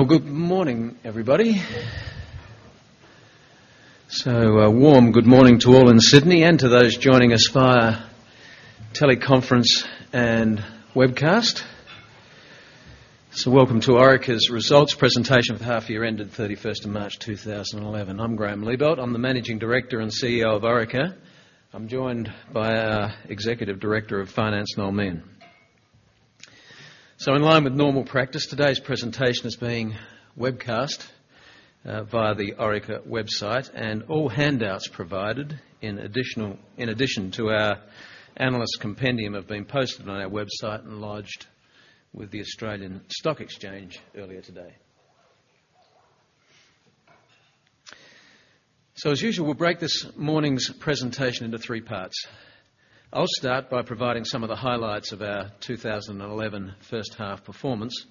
Good morning, everybody. A warm good morning to all in Sydney and to those joining us via teleconference and webcast. Welcome to Orica's results presentation for the half year ended 31st of March 2011. I'm Graeme Liebelt. I'm the Managing Director and CEO of Orica. I'm joined by our Executive Director Finance, Noel Meehan. In line with normal practice, today's presentation is being webcast via the Orica website, and all handouts provided in addition to our analyst compendium have been posted on our website and lodged with the Australian Stock Exchange earlier today. As usual, we'll break this morning's presentation into three parts. I'll start by providing some of the highlights of our 2011 first-half performance.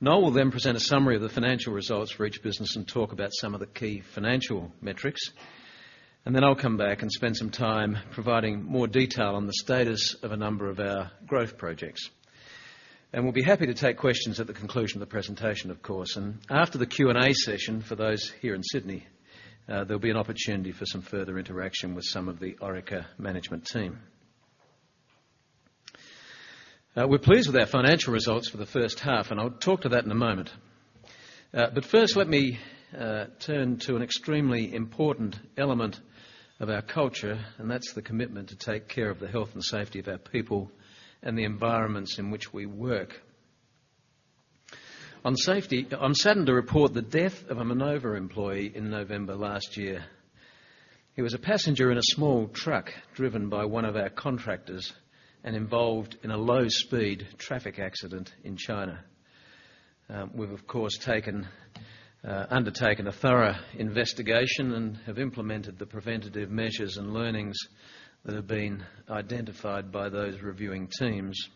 Noel will present a summary of the financial results for each business and talk about some of the key financial metrics. I'll come back and spend some time providing more detail on the status of a number of our growth projects. We'll be happy to take questions at the conclusion of the presentation, of course. After the Q&A session, for those here in Sydney, there'll be an opportunity for some further interaction with some of the Orica management team. We're pleased with our financial results for the first half, and I'll talk to that in a moment. First, let me turn to an extremely important element of our culture, and that's the commitment to take care of the health and safety of our people and the environments in which we work. On safety, I'm saddened to report the death of a Minova employee in November last year. He was a passenger in a small truck driven by one of our contractors and involved in a low-speed traffic accident in China. We've, of course, undertaken a thorough investigation and have implemented the preventative measures and learnings that have been identified by those reviewing teams.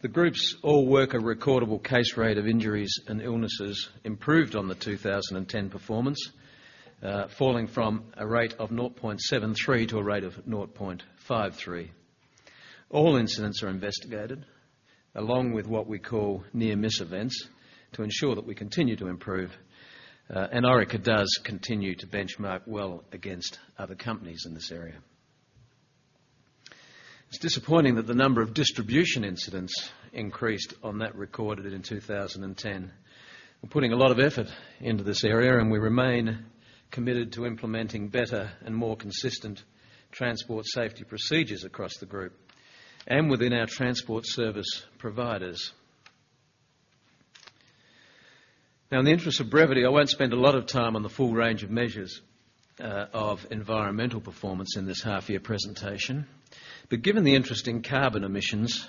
The group's all-worker recordable case rate of injuries and illnesses improved on the 2010 performance, falling from a rate of 0.73 to a rate of 0.53. All incidents are investigated, along with what we call near-miss events, to ensure that we continue to improve. Orica does continue to benchmark well against other companies in this area. It's disappointing that the number of distribution incidents increased on that recorded in 2010. We're putting a lot of effort into this area. We remain committed to implementing better and more consistent transport safety procedures across the group and within our transport service providers. In the interest of brevity, I won't spend a lot of time on the full range of measures of environmental performance in this half-year presentation. Given the interest in carbon emissions,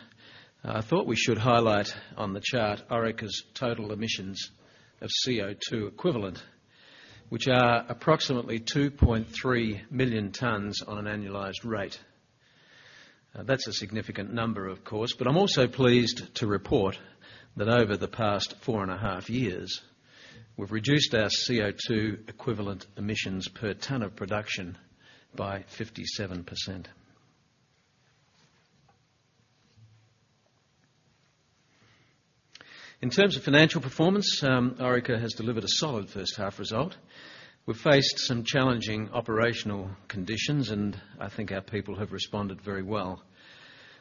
I thought we should highlight on the chart Orica's total emissions of CO2 equivalent, which are approximately 2.3 million tons on an annualized rate. That's a significant number, of course. I'm also pleased to report that over the past four and a half years, we've reduced our CO2 equivalent emissions per ton of production by 57%. In terms of financial performance, Orica has delivered a solid first-half result. We've faced some challenging operational conditions, and I think our people have responded very well.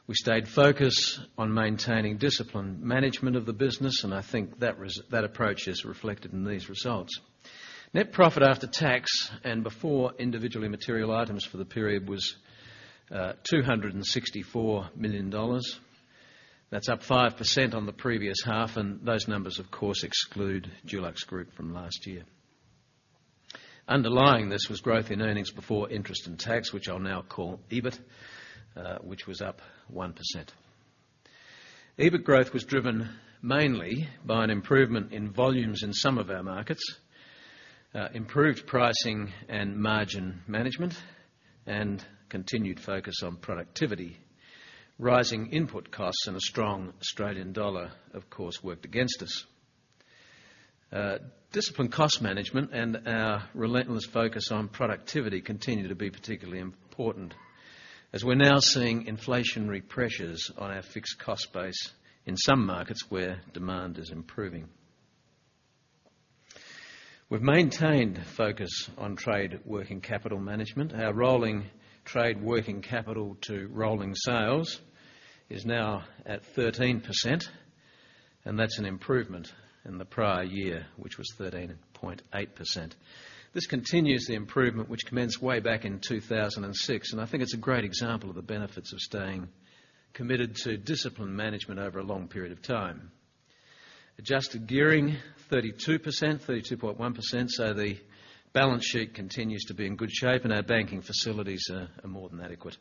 We stayed focused on maintaining disciplined management of the business. I think that approach is reflected in these results. Net profit after tax and before individually material items for the period was 264 million dollars. That's up 5% on the previous half. Those numbers, of course, exclude DuluxGroup from last year. Underlying this was growth in earnings before interest and tax, which I'll now call EBIT, which was up 1%. EBIT growth was driven mainly by an improvement in volumes in some of our markets, improved pricing and margin management, continued focus on productivity. Rising input costs and a strong Australian dollar, of course, worked against us. Disciplined cost management and our relentless focus on productivity continue to be particularly important as we're now seeing inflationary pressures on our fixed cost base in some markets where demand is improving. We've maintained focus on trade working capital management. Our rolling trade working capital to rolling sales is now at 13%. That's an improvement in the prior year, which was 13.8%. This continues the improvement which commenced way back in 2006. I think it's a great example of the benefits of staying committed to disciplined management over a long period of time. Adjusted gearing, 32.1%. The balance sheet continues to be in good shape. Our banking facilities are more than adequate.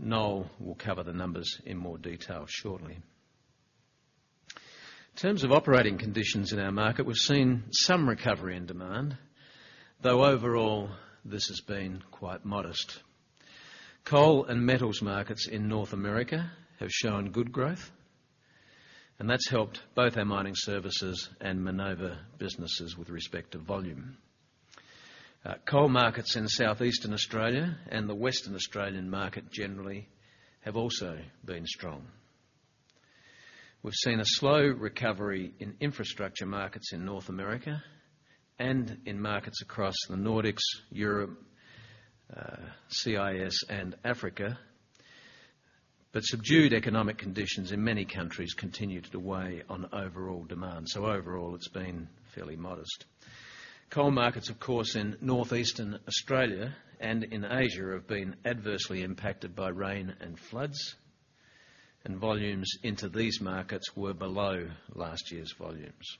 Noel will cover the numbers in more detail shortly. In terms of operating conditions in our market, we've seen some recovery in demand, though overall, this has been quite modest. Coal and metals markets in North America have shown good growth. That's helped both our Mining Services and Minova businesses with respect to volume. Coal markets in Southeastern Australia and the Western Australian market generally have also been strong. We've seen a slow recovery in infrastructure markets in North America and in markets across the Nordics, Europe, CIS, and Africa. Subdued economic conditions in many countries continued to weigh on overall demand. Overall, it's been fairly modest. Coal markets, of course, in Northeastern Australia and in Asia have been adversely impacted by rain and floods. Volumes into these markets were below last year's volumes.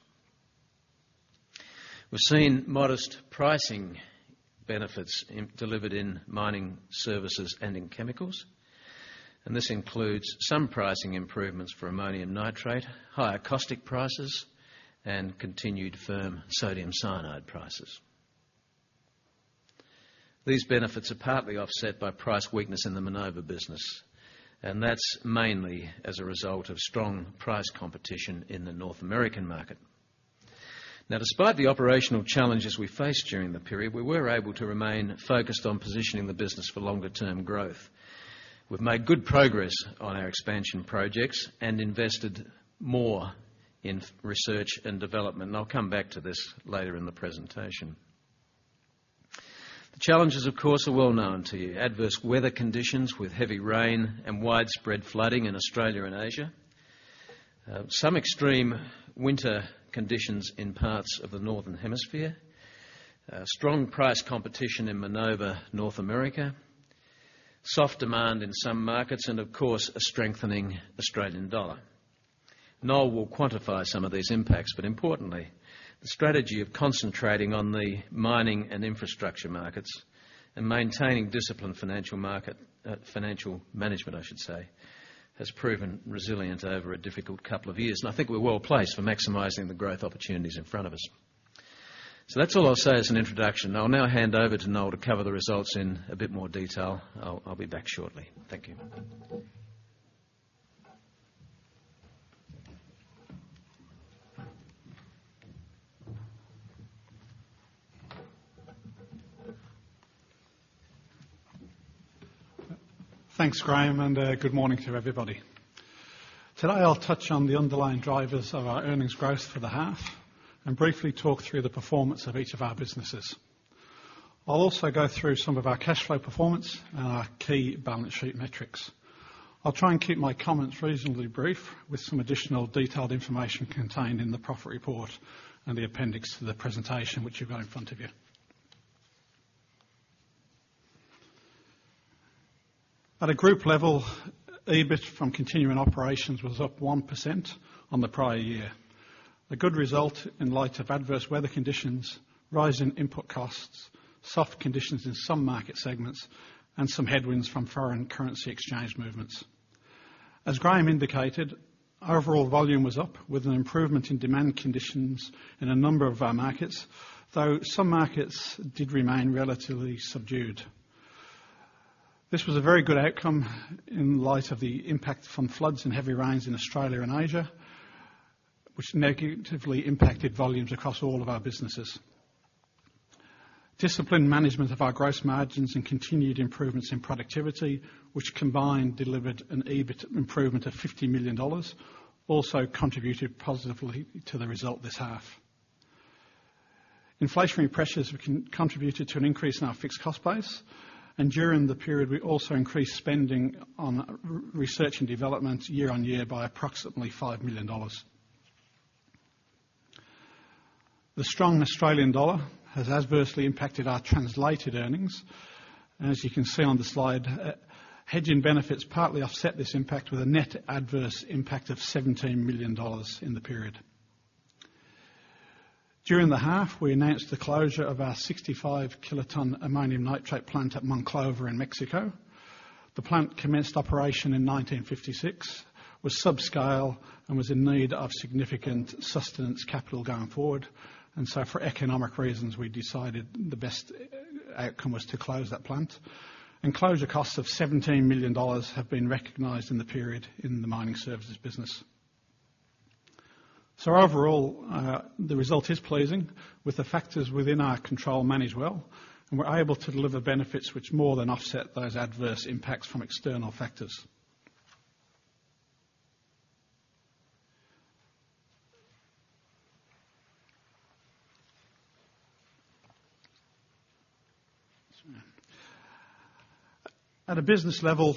We've seen modest pricing benefits delivered in Mining Services and in chemicals. This includes some pricing improvements for ammonium nitrate, higher caustic prices, and continued firm sodium cyanide prices. These benefits are partly offset by price weakness in the Minova business. That's mainly as a result of strong price competition in the North American market. Despite the operational challenges we faced during the period, we were able to remain focused on positioning the business for longer-term growth. We've made good progress on our expansion projects and invested more in research and development. I'll come back to this later in the presentation. The challenges, of course, are well-known to you. Adverse weather conditions with heavy rain and widespread flooding in Australia and Asia. Some extreme winter conditions in parts of the northern hemisphere. Strong price competition in Minova, North America. Soft demand in some markets, of course, a strengthening Australian dollar. Noel will quantify some of these impacts. Importantly, the strategy of concentrating on the mining and infrastructure markets and maintaining disciplined financial management has proven resilient over a difficult couple of years. I think we're well-placed for maximizing the growth opportunities in front of us. That's all I'll say as an introduction. I'll now hand over to Noel to cover the results in a bit more detail. I'll be back shortly. Thank you. Thanks, Graeme, good morning to everybody. Today, I'll touch on the underlying drivers of our earnings growth for the half and briefly talk through the performance of each of our businesses. I'll also go through some of our cash flow performance and our key balance sheet metrics. I'll try and keep my comments reasonably brief with some additional detailed information contained in the profit report and the appendix to the presentation which you've got in front of you. At a group level, EBIT from continuing operations was up 1% on the prior year. A good result in light of adverse weather conditions, rise in input costs, soft conditions in some market segments, and some headwinds from foreign currency exchange movements. As Graeme indicated, overall volume was up with an improvement in demand conditions in a number of our markets, though some markets did remain relatively subdued. This was a very good outcome in light of the impact from floods and heavy rains in Australia and Asia, which negatively impacted volumes across all of our businesses. Disciplined management of our gross margins and continued improvements in productivity, which combined delivered an EBIT improvement of 50 million dollars, also contributed positively to the result this half. Inflationary pressures contributed to an increase in our fixed cost base. During the period, we also increased spending on research and development year on year by approximately 5 million dollars. The strong Australian dollar has adversely impacted our translated earnings. As you can see on the slide, hedging benefits partly offset this impact with a net adverse impact of 17 million dollars in the period. During the half, we announced the closure of our 65-kiloton ammonium nitrate plant at Monclova in Mexico. The plant commenced operation in 1956, was subscale, and was in need of significant sustenance capital going forward. For economic reasons, we decided the best outcome was to close that plant. Closure costs of 17 million dollars have been recognized in the period in the Mining Services business. Overall, the result is pleasing with the factors within our control managed well, and we're able to deliver benefits which more than offset those adverse impacts from external factors. At a business level,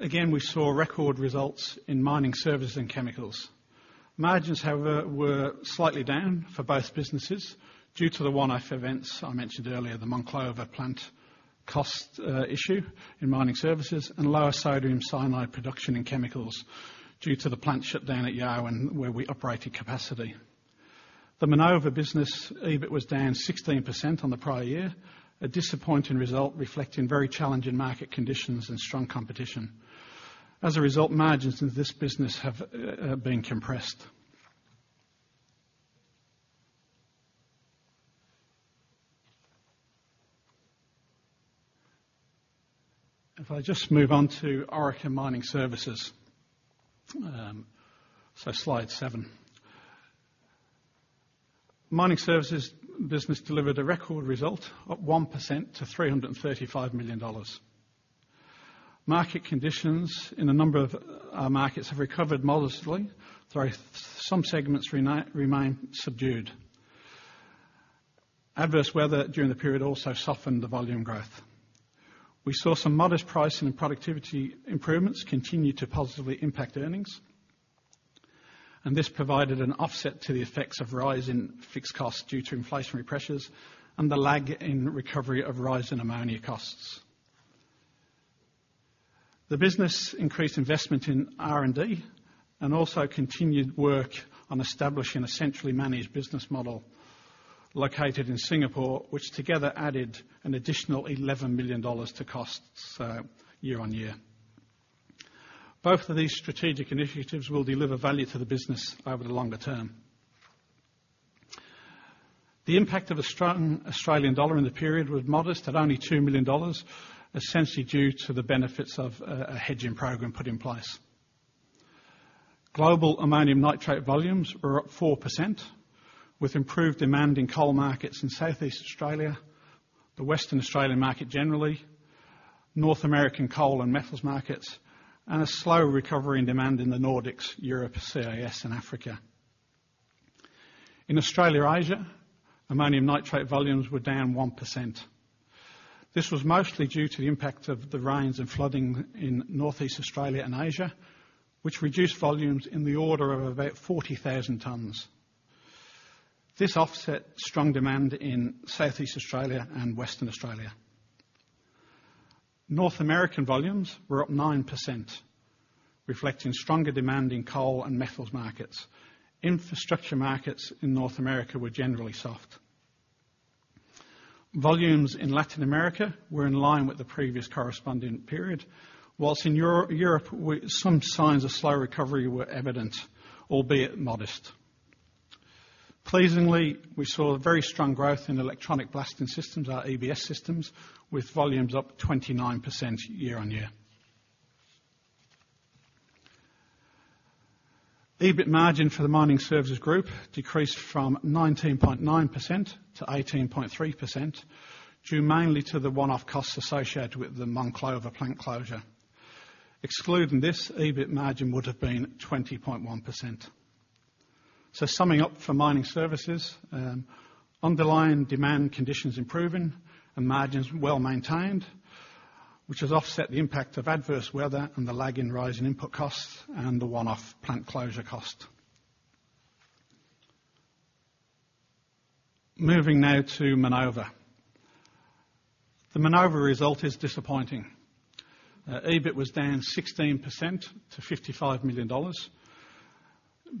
again, we saw record results in Mining Services and Chemicals. Margins, however, were slightly down for both businesses due to the one-off events I mentioned earlier, the Monclova plant cost issue in Mining Services and lower sodium cyanide production in Chemicals due to the plant shutdown at Yarwun where we operated capacity. The Minova business EBIT was down 16% on the prior year, a disappointing result reflecting very challenging market conditions and strong competition. As a result, margins in this business have been compressed. If I just move on to Orica Mining Services. Slide seven. Mining Services business delivered a record result up 1% to 335 million dollars. Market conditions in a number of our markets have recovered modestly, though some segments remain subdued. Adverse weather during the period also softened the volume growth. We saw some modest price and productivity improvements continue to positively impact earnings, and this provided an offset to the effects of rise in fixed costs due to inflationary pressures and the lag in recovery of rise in ammonia costs. The business increased investment in R&D and also continued work on establishing a centrally managed business model located in Singapore, which together added an additional 11 million dollars to costs year-on-year. Both of these strategic initiatives will deliver value to the business over the longer term. The impact of Australian dollar in the period was modest at only 2 million dollars, essentially due to the benefits of a hedging program put in place. Global ammonium nitrate volumes were up 4%, with improved demand in coal markets in Southeast Australia, the Western Australian market generally, North American coal and metals markets, and a slow recovery and demand in the Nordics, Europe, CIS and Africa. In Australia-Asia, ammonium nitrate volumes were down 1%. This was mostly due to the impact of the rains and flooding in Northeast Australia and Asia, which reduced volumes in the order of about 40,000 tons. This offset strong demand in Southeast Australia and Western Australia. North American volumes were up 9%, reflecting stronger demand in coal and metals markets. Infrastructure markets in North America were generally soft. Volumes in Latin America were in line with the previous corresponding period, whilst in Europe, some signs of slow recovery were evident, albeit modest. Pleasingly, we saw a very strong growth in Electronic Blasting Systems, our EBS systems, with volumes up 29% year-on-year. EBIT margin for the Mining Services group decreased from 19.9% to 18.3%, due mainly to the one-off costs associated with the Monclova plant closure. Excluding this, EBIT margin would have been 20.1%. Summing up for Mining Services, underlying demand conditions improving and margins well maintained, which has offset the impact of adverse weather and the lag in rise in input costs and the one-off plant closure cost. Moving now to Minova. The Minova result is disappointing. EBIT was down 16% to 55 million dollars,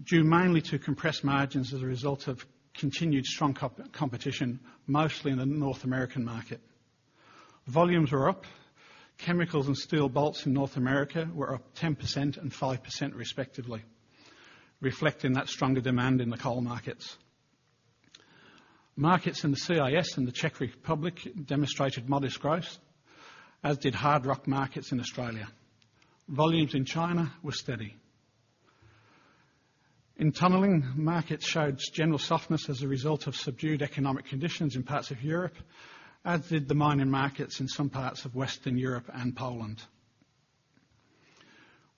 due mainly to compressed margins as a result of continued strong competition, mostly in the North American market. Volumes were up. Chemicals and steel bolts in North America were up 10% and 5% respectively, reflecting that stronger demand in the coal markets. Markets in the CIS and the Czech Republic demonstrated modest growth, as did hard rock markets in Australia. Volumes in China were steady. In tunneling, markets showed general softness as a result of subdued economic conditions in parts of Europe, as did the mining markets in some parts of Western Europe and Poland.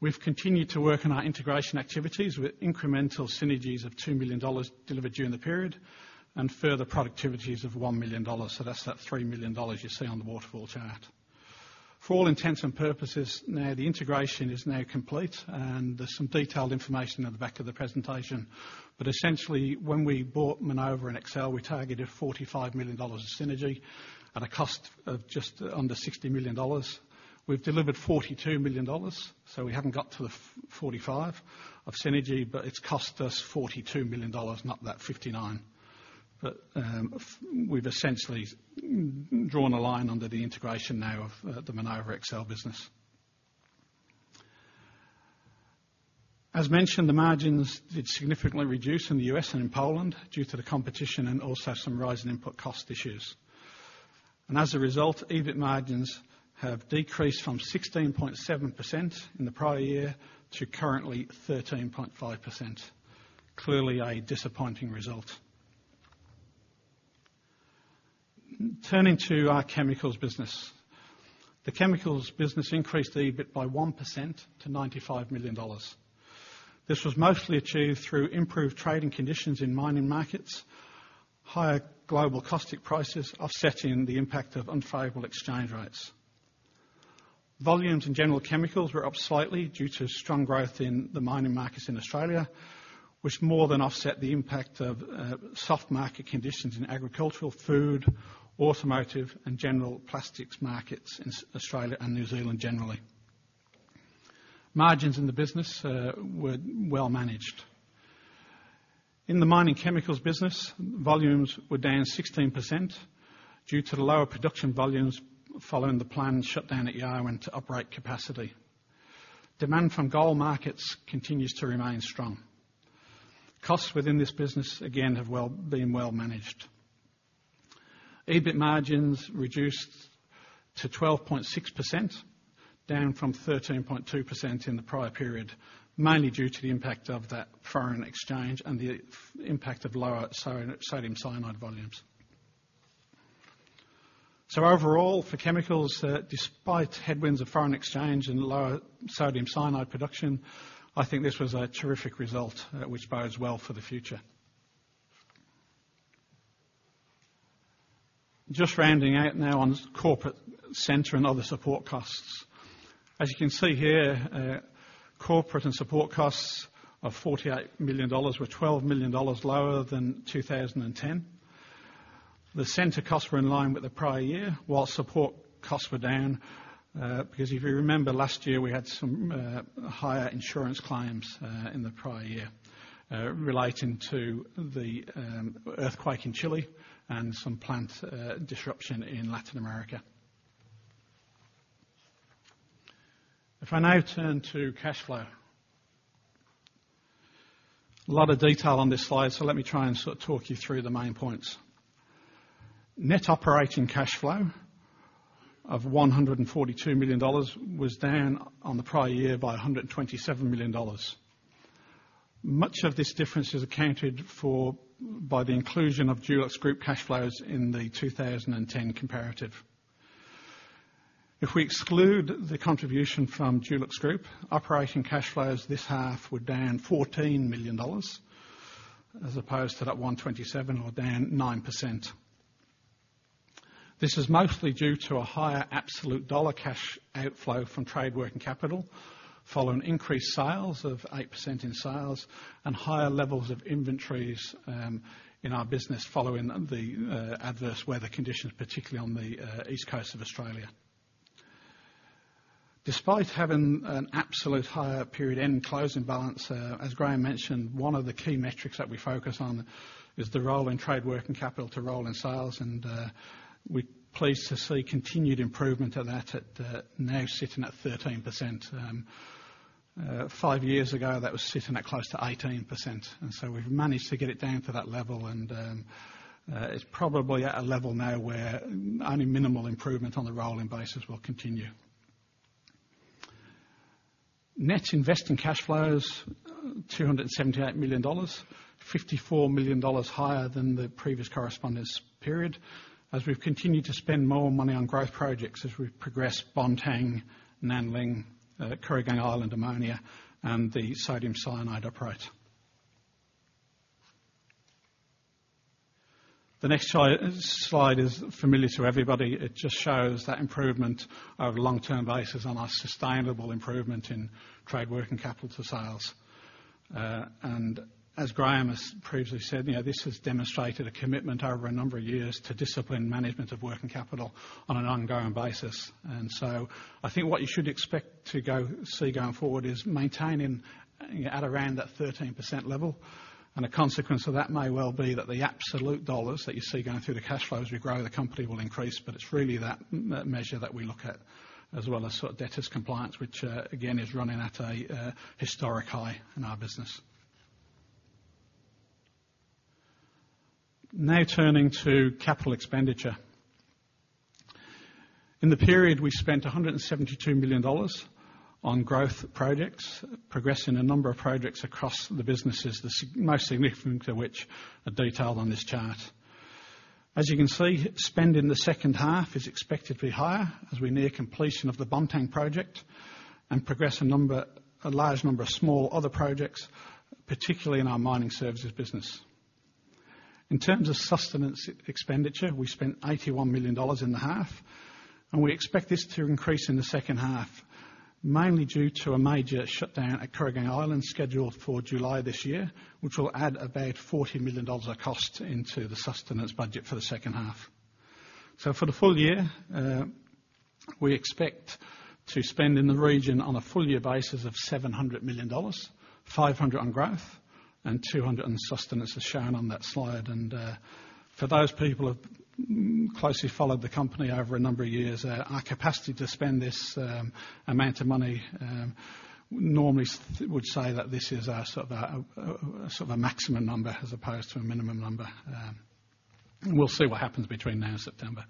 We've continued to work on our integration activities with incremental synergies of 2 million dollars delivered during the period and further productivities of 1 million dollars. That's that 3 million dollars you see on the waterfall chart. For all intents and purposes, the integration is now complete and there's some detailed information at the back of the presentation. But essentially, when we bought Minova and Excel, we targeted 45 million dollars of synergy at a cost of just under 60 million dollars. We've delivered 42 million dollars, so we haven't got to the 45 of synergy, but it's cost us 42 million dollars, not that 59 million. But we've essentially drawn a line under the integration now of the Minova Excel business. As mentioned, the margins did significantly reduce in the U.S. and in Poland due to the competition and also some rise in input cost issues. As a result, EBIT margins have decreased from 16.7% in the prior year to currently 13.5%. Clearly a disappointing result. Turning to our Chemicals business. The Chemicals business increased EBIT by 1% to 95 million dollars. This was mostly achieved through improved trading conditions in mining markets, higher global caustic prices offsetting the impact of unfavorable exchange rates. Volumes in general chemicals were up slightly due to strong growth in the mining markets in Australia, which more than offset the impact of soft market conditions in agricultural, food, automotive, and general plastics markets in Australia and New Zealand generally. Margins in the business were well managed. In the mining chemicals business, volumes were down 16% due to the lower production volumes following the planned shutdown at Yarwun to uprate capacity. Demand from gold markets continues to remain strong. Costs within this business, again, have been well managed. EBIT margins reduced to 12.6%, down from 13.2% in the prior period, mainly due to the impact of that foreign exchange and the impact of lower sodium cyanide volumes. Overall, for chemicals, despite headwinds of foreign exchange and lower sodium cyanide production, I think this was a terrific result which bodes well for the future. Just rounding out now on corporate center and other support costs. As you can see here, corporate and support costs of 48 million dollars were 12 million dollars lower than 2010. The center costs were in line with the prior year, while support costs were down. If you remember last year, we had some higher insurance claims in the prior year relating to the earthquake in Chile and some plant disruption in Latin America. I now turn to cash flow. A lot of detail on this slide, let me try and sort of talk you through the main points. Net operating cash flow of 142 million dollars was down on the prior year by 127 million dollars. Much of this difference is accounted for by the inclusion of Dulux Group cash flows in the 2010 comparative. If we exclude the contribution from Dulux Group, operating cash flows this half were down AUD 14 million, as opposed to that 127 or down 9%. This is mostly due to a higher absolute dollar cash outflow from trade working capital, following increased sales of 8% in sales and higher levels of inventories in our business following the adverse weather conditions, particularly on the East Coast of Australia. Despite having an absolute higher period end closing balance, as Graeme mentioned, one of the key metrics that we focus on is the role in trade working capital to role in sales, and we're pleased to see continued improvement of that at now sitting at 13%. Five years ago, that was sitting at close to 18%, and we've managed to get it down to that level, and it's probably at a level now where only minimal improvement on the rolling basis will continue. Net investing cash flows, 278 million dollars, 54 million dollars higher than the previous correspondence period, as we've continued to spend more money on growth projects as we progress Bontang, Nanling, Kooragang Island ammonia, and the sodium cyanide uprate. The next slide is familiar to everybody. It just shows that improvement of long-term basis on our sustainable improvement in trade working capital sales. As Graeme has previously said, this has demonstrated a commitment over a number of years to discipline management of working capital on an ongoing basis. I think what you should expect to see going forward is maintaining at around that 13% level. A consequence of that may well be that the absolute AUD that you see going through the cash flow as we grow the company will increase, but it is really that measure that we look at, as well as debtors' compliance, which, again, is running at a historic high in our business. Turning to capital expenditure. In the period, we spent 172 million dollars on growth projects, progressing a number of projects across the businesses, the most significant of which are detailed on this chart. As you can see, spend in the second half is expected to be higher as we near completion of the Bontang project and progress a large number of small other projects, particularly in our mining services business. In terms of sustenance expenditure, we spent 81 million dollars in the half, we expect this to increase in the second half, mainly due to a major shutdown at Kooragang Island scheduled for July this year, which will add about 40 million dollars of cost into the sustenance budget for the second half. For the full year, we expect to spend in the region on a full year basis of 700 million dollars, 500 million on growth and 200 million on sustenance as shown on that slide. For those people who have closely followed the company over a number of years, our capacity to spend this amount of money, normally would say that this is a sort of a maximum number as opposed to a minimum number. We will see what happens between now and September.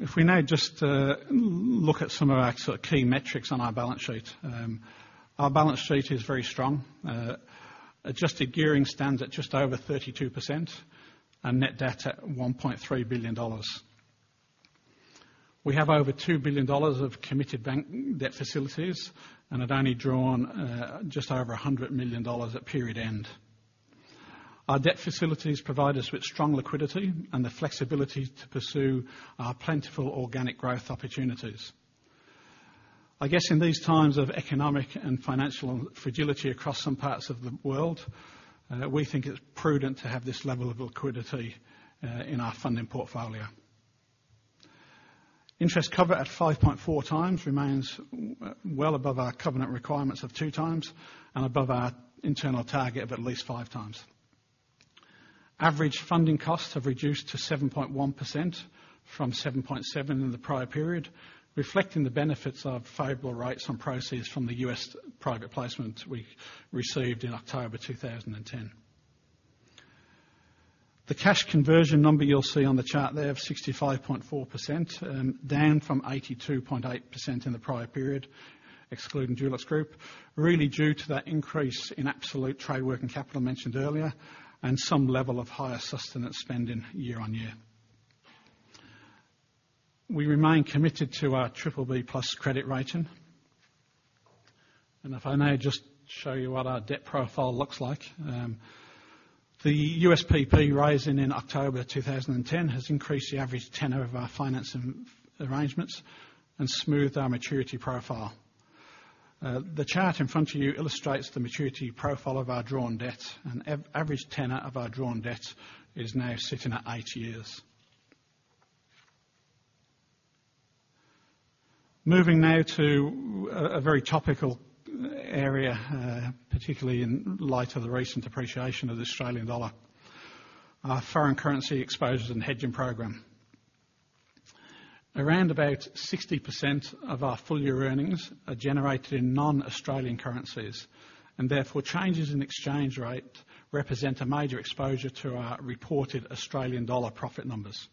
If we now just look at some of our key metrics on our balance sheet. Our balance sheet is very strong. Adjusted gearing stands at just over 32%, and net debt at 1.3 billion dollars. We have over 2 billion dollars of committed bank debt facilities and have only drawn just over 100 million dollars at period end. Our debt facilities provide us with strong liquidity and the flexibility to pursue our plentiful organic growth opportunities. I guess in these times of economic and financial fragility across some parts of the world, we think it is prudent to have this level of liquidity in our funding portfolio. Interest cover at 5.4 times remains well above our covenant requirements of two times and above our internal target of at least five times. Average funding costs have reduced to 7.1% from 7.7% in the prior period, reflecting the benefits of favorable rates on proceeds from the US private placement we received in October 2010. The cash conversion number you will see on the chart there of 65.4%, down from 82.8% in the prior period, excluding DuluxGroup, really due to that increase in absolute trade working capital I mentioned earlier, and some level of higher sustenance spending year-on-year. We remain committed to our BBB+ credit rating. If I may just show you what our debt profile looks like. The USPP raising in October 2010 has increased the average tenor of our financing arrangements and smoothed our maturity profile. The chart in front of you illustrates the maturity profile of our drawn debts, and average tenor of our drawn debts is now sitting at eight years. Moving now to a very topical area, particularly in light of the recent depreciation of the Australian dollar, our foreign currency exposures and hedging program. Around about 60% of our full-year earnings are generated in non-Australian currencies. Therefore, changes in exchange rate represent a major exposure to our reported Australian dollar profit numbers.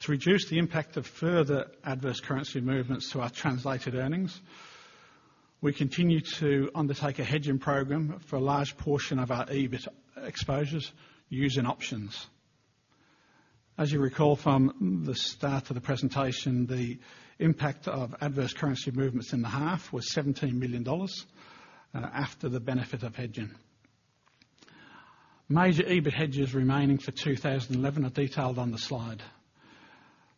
To reduce the impact of further adverse currency movements to our translated earnings, we continue to undertake a hedging program for a large portion of our EBIT exposures using options. As you recall from the start of the presentation, the impact of adverse currency movements in the half was 17 million dollars after the benefit of hedging. Major EBIT hedges remaining for 2011 are detailed on the slide.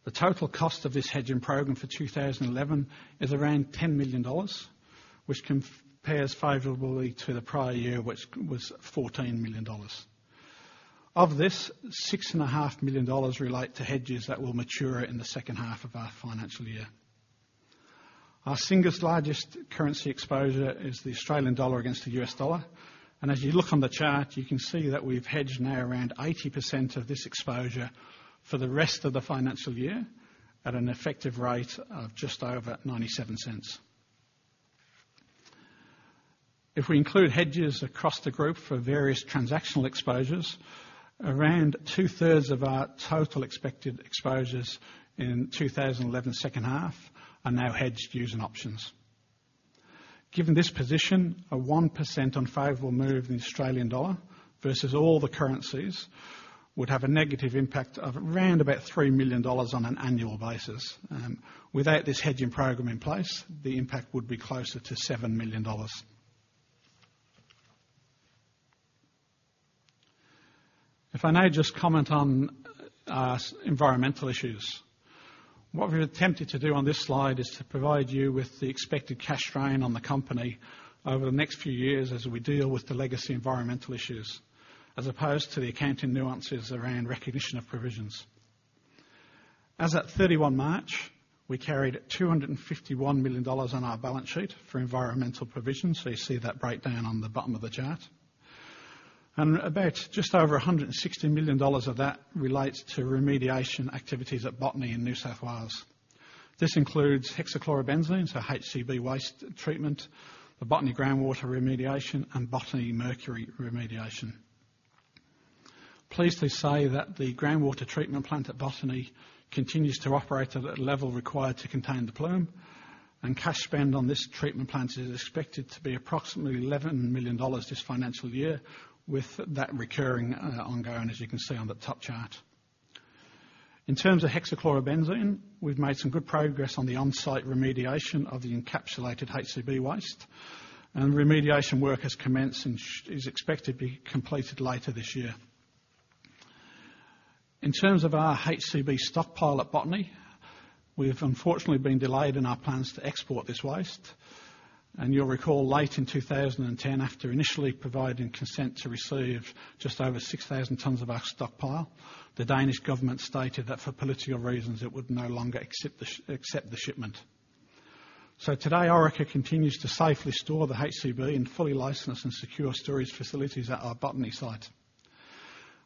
The total cost of this hedging program for 2011 is around 10 million dollars, which compares favorably to the prior year, which was 14 million dollars. Of this, 6.5 million dollars relate to hedges that will mature in the second half of our financial year. Our single largest currency exposure is the Australian dollar against the U.S. dollar. As you look on the chart, you can see that we've hedged now around 80% of this exposure for the rest of the financial year at an effective rate of just over 0.97. If we include hedges across the group for various transactional exposures, around two-thirds of our total expected exposures in 2011's second half are now hedged using options. Given this position, a 1% unfavorable move in the Australian dollar versus all the currencies would have a negative impact of around about 3 million dollars on an annual basis. Without this hedging program in place, the impact would be closer to 7 million dollars. If I may just comment on environmental issues. What we've attempted to do on this slide is to provide you with the expected cash drain on the company over the next few years as we deal with the legacy environmental issues, as opposed to the accounting nuances around recognition of provisions. As at 31 March, we carried 251 million dollars on our balance sheet for environmental provisions. You see that breakdown on the bottom of the chart. About just over 160 million dollars of that relates to remediation activities at Botany in New South Wales. This includes hexachlorobenzene, so HCB waste treatment, the Botany groundwater remediation, and Botany mercury remediation. Pleased to say that the groundwater treatment plant at Botany continues to operate at a level required to contain the plume. Cash spend on this treatment plant is expected to be approximately 11 million dollars this financial year, with that recurring ongoing, as you can see on the top chart. In terms of hexachlorobenzene, we've made some good progress on the on-site remediation of the encapsulated HCB waste. Remediation work has commenced and is expected to be completed later this year. In terms of our HCB stockpile at Botany, we have unfortunately been delayed in our plans to export this waste. You'll recall late in 2010, after initially providing consent to receive just over 6,000 tons of our stockpile, the Danish government stated that for political reasons, it would no longer accept the shipment. Today, Orica continues to safely store the HCB in fully licensed and secure storage facilities at our Botany site.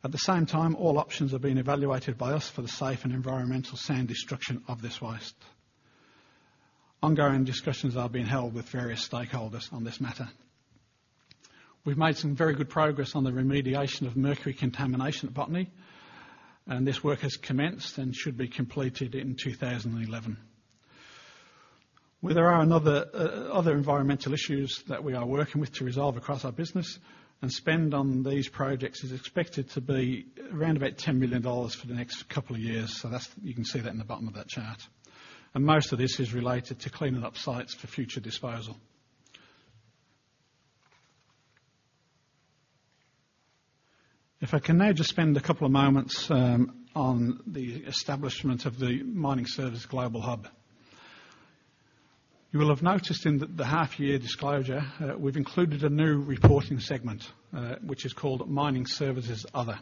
At the same time, all options are being evaluated by us for the safe and environmental sound destruction of this waste. Ongoing discussions are being held with various stakeholders on this matter. We've made some very good progress on the remediation of mercury contamination at Botany. This work has commenced and should be completed in 2011. There are other environmental issues that we are working with to resolve across our business. Spend on these projects is expected to be around about 10 million dollars for the next couple of years. You can see that in the bottom of that chart. Most of this is related to cleaning up sites for future disposal. If I can now just spend a couple of moments on the establishment of the Mining Services Global Hub. You will have noticed in the half year disclosure, we've included a new reporting segment, which is called Mining Services Other.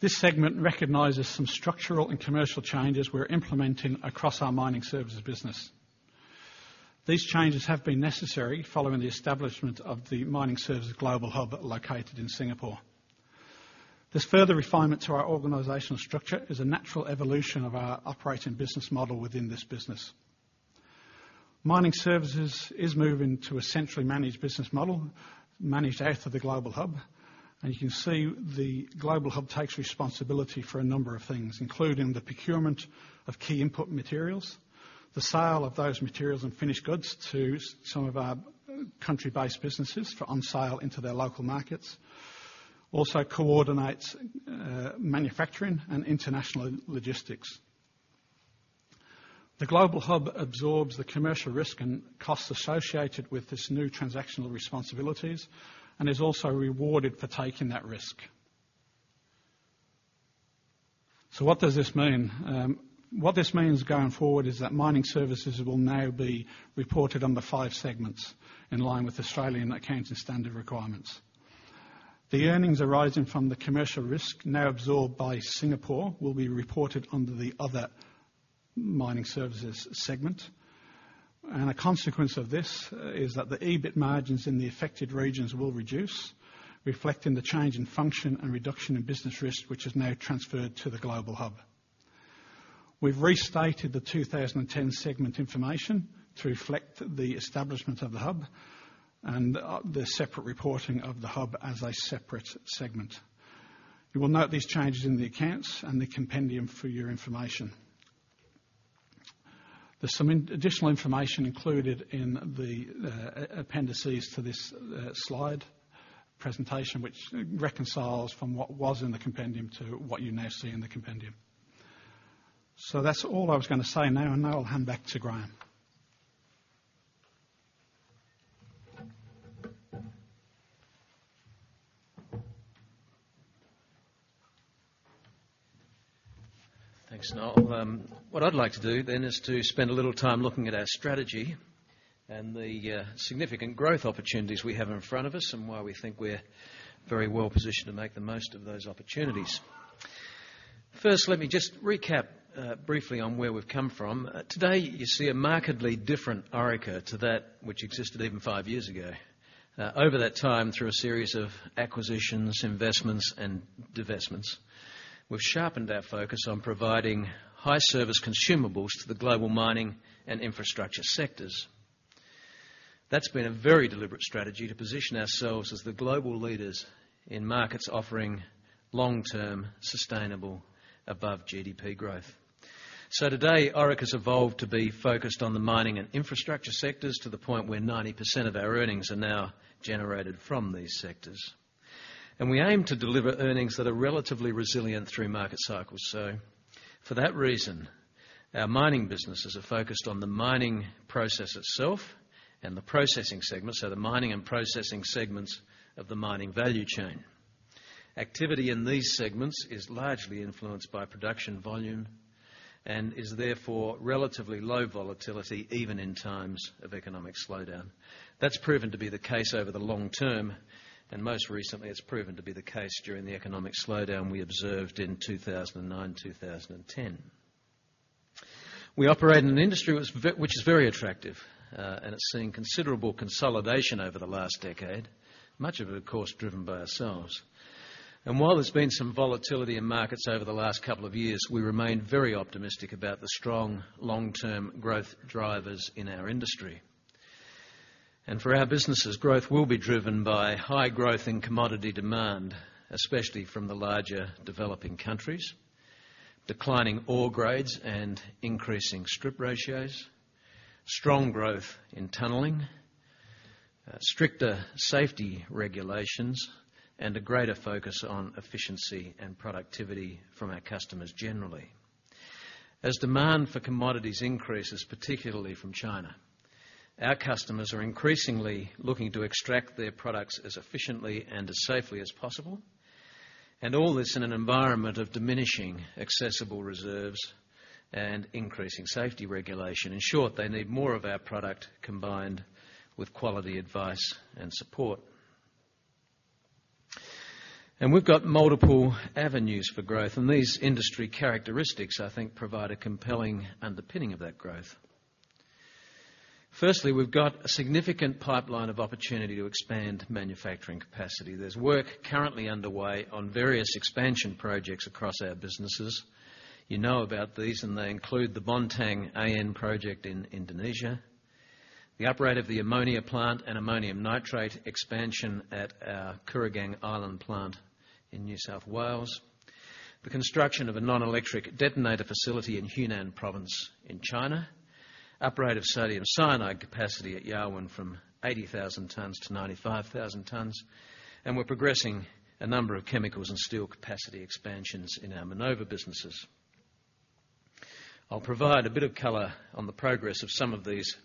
This segment recognizes some structural and commercial changes we're implementing across our mining services business. These changes have been necessary following the establishment of the Mining Services Global Hub located in Singapore. This further refinement to our organizational structure is a natural evolution of our operating business model within this business. Mining services is moving to a centrally managed business model, managed out of the Global Hub. You can see the Global Hub takes responsibility for a number of things, including the procurement of key input materials, the sale of those materials and finished goods to some of our country-based businesses for on-sale into their local markets. Also coordinates manufacturing and international logistics. The Global Hub absorbs the commercial risk and costs associated with this new transactional responsibilities and is also rewarded for taking that risk. What does this mean? What this means going forward is that mining services will now be reported under five segments in line with Australian Accounting Standard requirements. The earnings arising from the commercial risk now absorbed by Singapore will be reported under the Other Mining Services segment. A consequence of this is that the EBIT margins in the affected regions will reduce, reflecting the change in function and reduction in business risk, which is now transferred to the Global Hub. We've restated the 2010 segment information to reflect the establishment of the Hub and the separate reporting of the Hub as a separate segment. You will note these changes in the accounts and the compendium for your information. There's some additional information included in the appendices to this slide presentation which reconciles from what was in the compendium to what you now see in the compendium. That's all I was going to say now. I'll hand back to Graeme. Thanks, Noel. What I'd like to do then is to spend a little time looking at our strategy and the significant growth opportunities we have in front of us and why we think we're very well positioned to make the most of those opportunities. First, let me just recap briefly on where we've come from. Today, you see a markedly different Orica to that which existed even five years ago. Over that time, through a series of acquisitions, investments, and divestments, we've sharpened our focus on providing high service consumables to the global mining and infrastructure sectors. That's been a very deliberate strategy to position ourselves as the global leaders in markets offering long-term, sustainable, above GDP growth. Today, Orica has evolved to be focused on the mining and infrastructure sectors to the point where 90% of our earnings are now generated from these sectors. We aim to deliver earnings that are relatively resilient through market cycles. For that reason, our mining businesses are focused on the mining process itself and the processing segments, the mining and processing segments of the mining value chain. Activity in these segments is largely influenced by production volume and is therefore relatively low volatility even in times of economic slowdown. That's proven to be the case over the long term, and most recently it's proven to be the case during the economic slowdown we observed in 2009, 2010. We uprate in an industry which is very attractive, and it's seen considerable consolidation over the last decade, much of it, of course, driven by ourselves. While there's been some volatility in markets over the last couple of years, we remain very optimistic about the strong long-term growth drivers in our industry. For our businesses, growth will be driven by high growth in commodity demand, especially from the larger developing countries. Declining ore grades and increasing strip ratios. Strong growth in tunneling. Stricter safety regulations, and a greater focus on efficiency and productivity from our customers generally. As demand for commodities increases, particularly from China, our customers are increasingly looking to extract their products as efficiently and as safely as possible, and all this in an environment of diminishing accessible reserves and increasing safety regulation. In short, they need more of our product combined with quality advice and support. We've got multiple avenues for growth. These industry characteristics, I think, provide a compelling underpinning of that growth. Firstly, we've got a significant pipeline of opportunity to expand manufacturing capacity. There's work currently underway on various expansion projects across our businesses. You know about these, they include the Bontang AN project in Indonesia, the uprate of the ammonia plant and ammonium nitrate expansion at our Kooragang Island plant in New South Wales. The construction of a non-electric detonator facility in Hunan province in China. Upgrade of sodium cyanide capacity at Yarwun from 80,000 tons to 95,000 tons. We're progressing a number of chemicals and steel capacity expansions in our Minova businesses. I'll provide a bit of color on the progress of some of these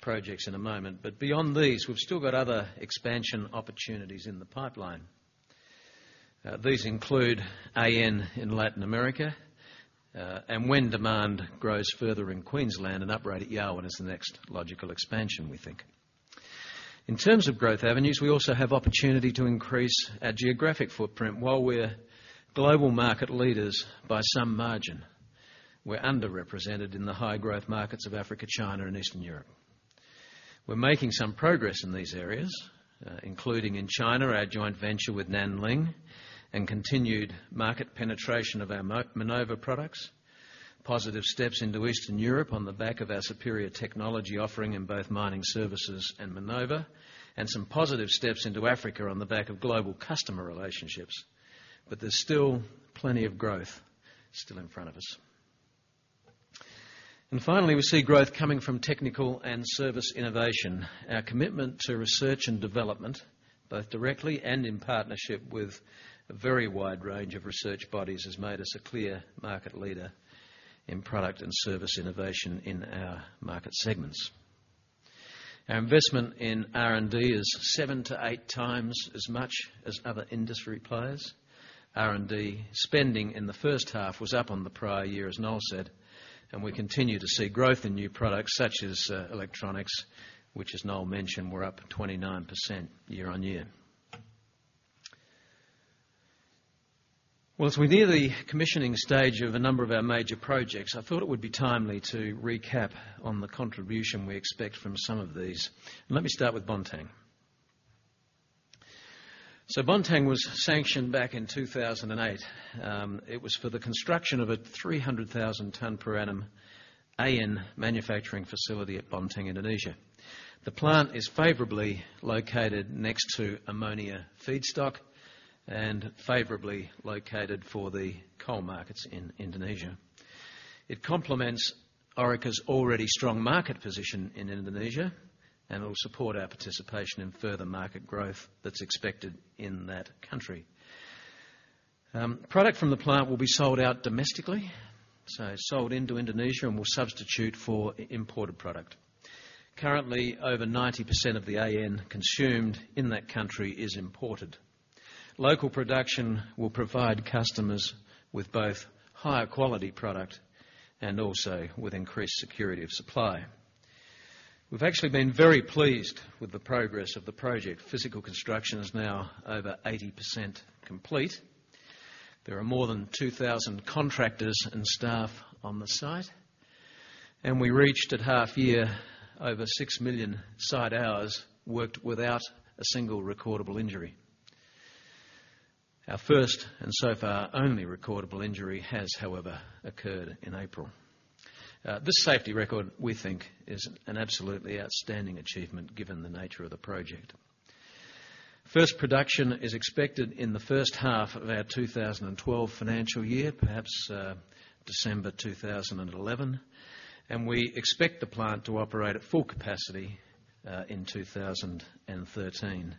projects in a moment. Beyond these, we've still got other expansion opportunities in the pipeline. These include AN in Latin America. When demand grows further in Queensland, an upgrade at Yarwun is the next logical expansion we think. In terms of growth avenues, we also have opportunity to increase our geographic footprint. While we are global market leaders by some margin, we are underrepresented in the high-growth markets of Africa, China, and Eastern Europe. We are making some progress in these areas, including in China, our joint venture with Nanling, and continued market penetration of our Minova products. Positive steps into Eastern Europe on the back of our superior technology offering in both Orica Mining Services and Minova, and some positive steps into Africa on the back of global customer relationships. There is still plenty of growth still in front of us. Finally, we see growth coming from technical and service innovation. Our commitment to research and development, both directly and in partnership with a very wide range of research bodies, has made us a clear market leader in product and service innovation in our market segments. Our investment in R&D is seven to eight times as much as other industry players. R&D spending in the first half was up on the prior year, as Noel said, and we continue to see growth in new products such as Electronic Blasting Systems, which as Noel mentioned, were up 29% year-over-year. As we near the commissioning stage of a number of our major projects, I thought it would be timely to recap on the contribution we expect from some of these. Let me start with Bontang. Bontang was sanctioned back in 2008. It was for the construction of a 300,000 tonne per annum AN manufacturing facility at Bontang, Indonesia. The plant is favorably located next to ammonia feedstock and favorably located for the coal markets in Indonesia. It complements Orica's already strong market position in Indonesia and will support our participation in further market growth that is expected in that country. Product from the plant will be sold out domestically, so sold into Indonesia and will substitute for imported product. Currently, over 90% of the AN consumed in that country is imported. Local production will provide customers with both higher quality product and also with increased security of supply. We have actually been very pleased with the progress of the project. Physical construction is now over 80% complete. There are more than 2,000 contractors and staff on the site, and we reached at half year over 6 million site hours worked without a single recordable injury. Our first and so far only recordable injury has, however, occurred in April. This safety record, we think, is an absolutely outstanding achievement given the nature of the project. First production is expected in the first half of our 2012 financial year, perhaps December 2011, and we expect the plant to uprate at full capacity in 2013.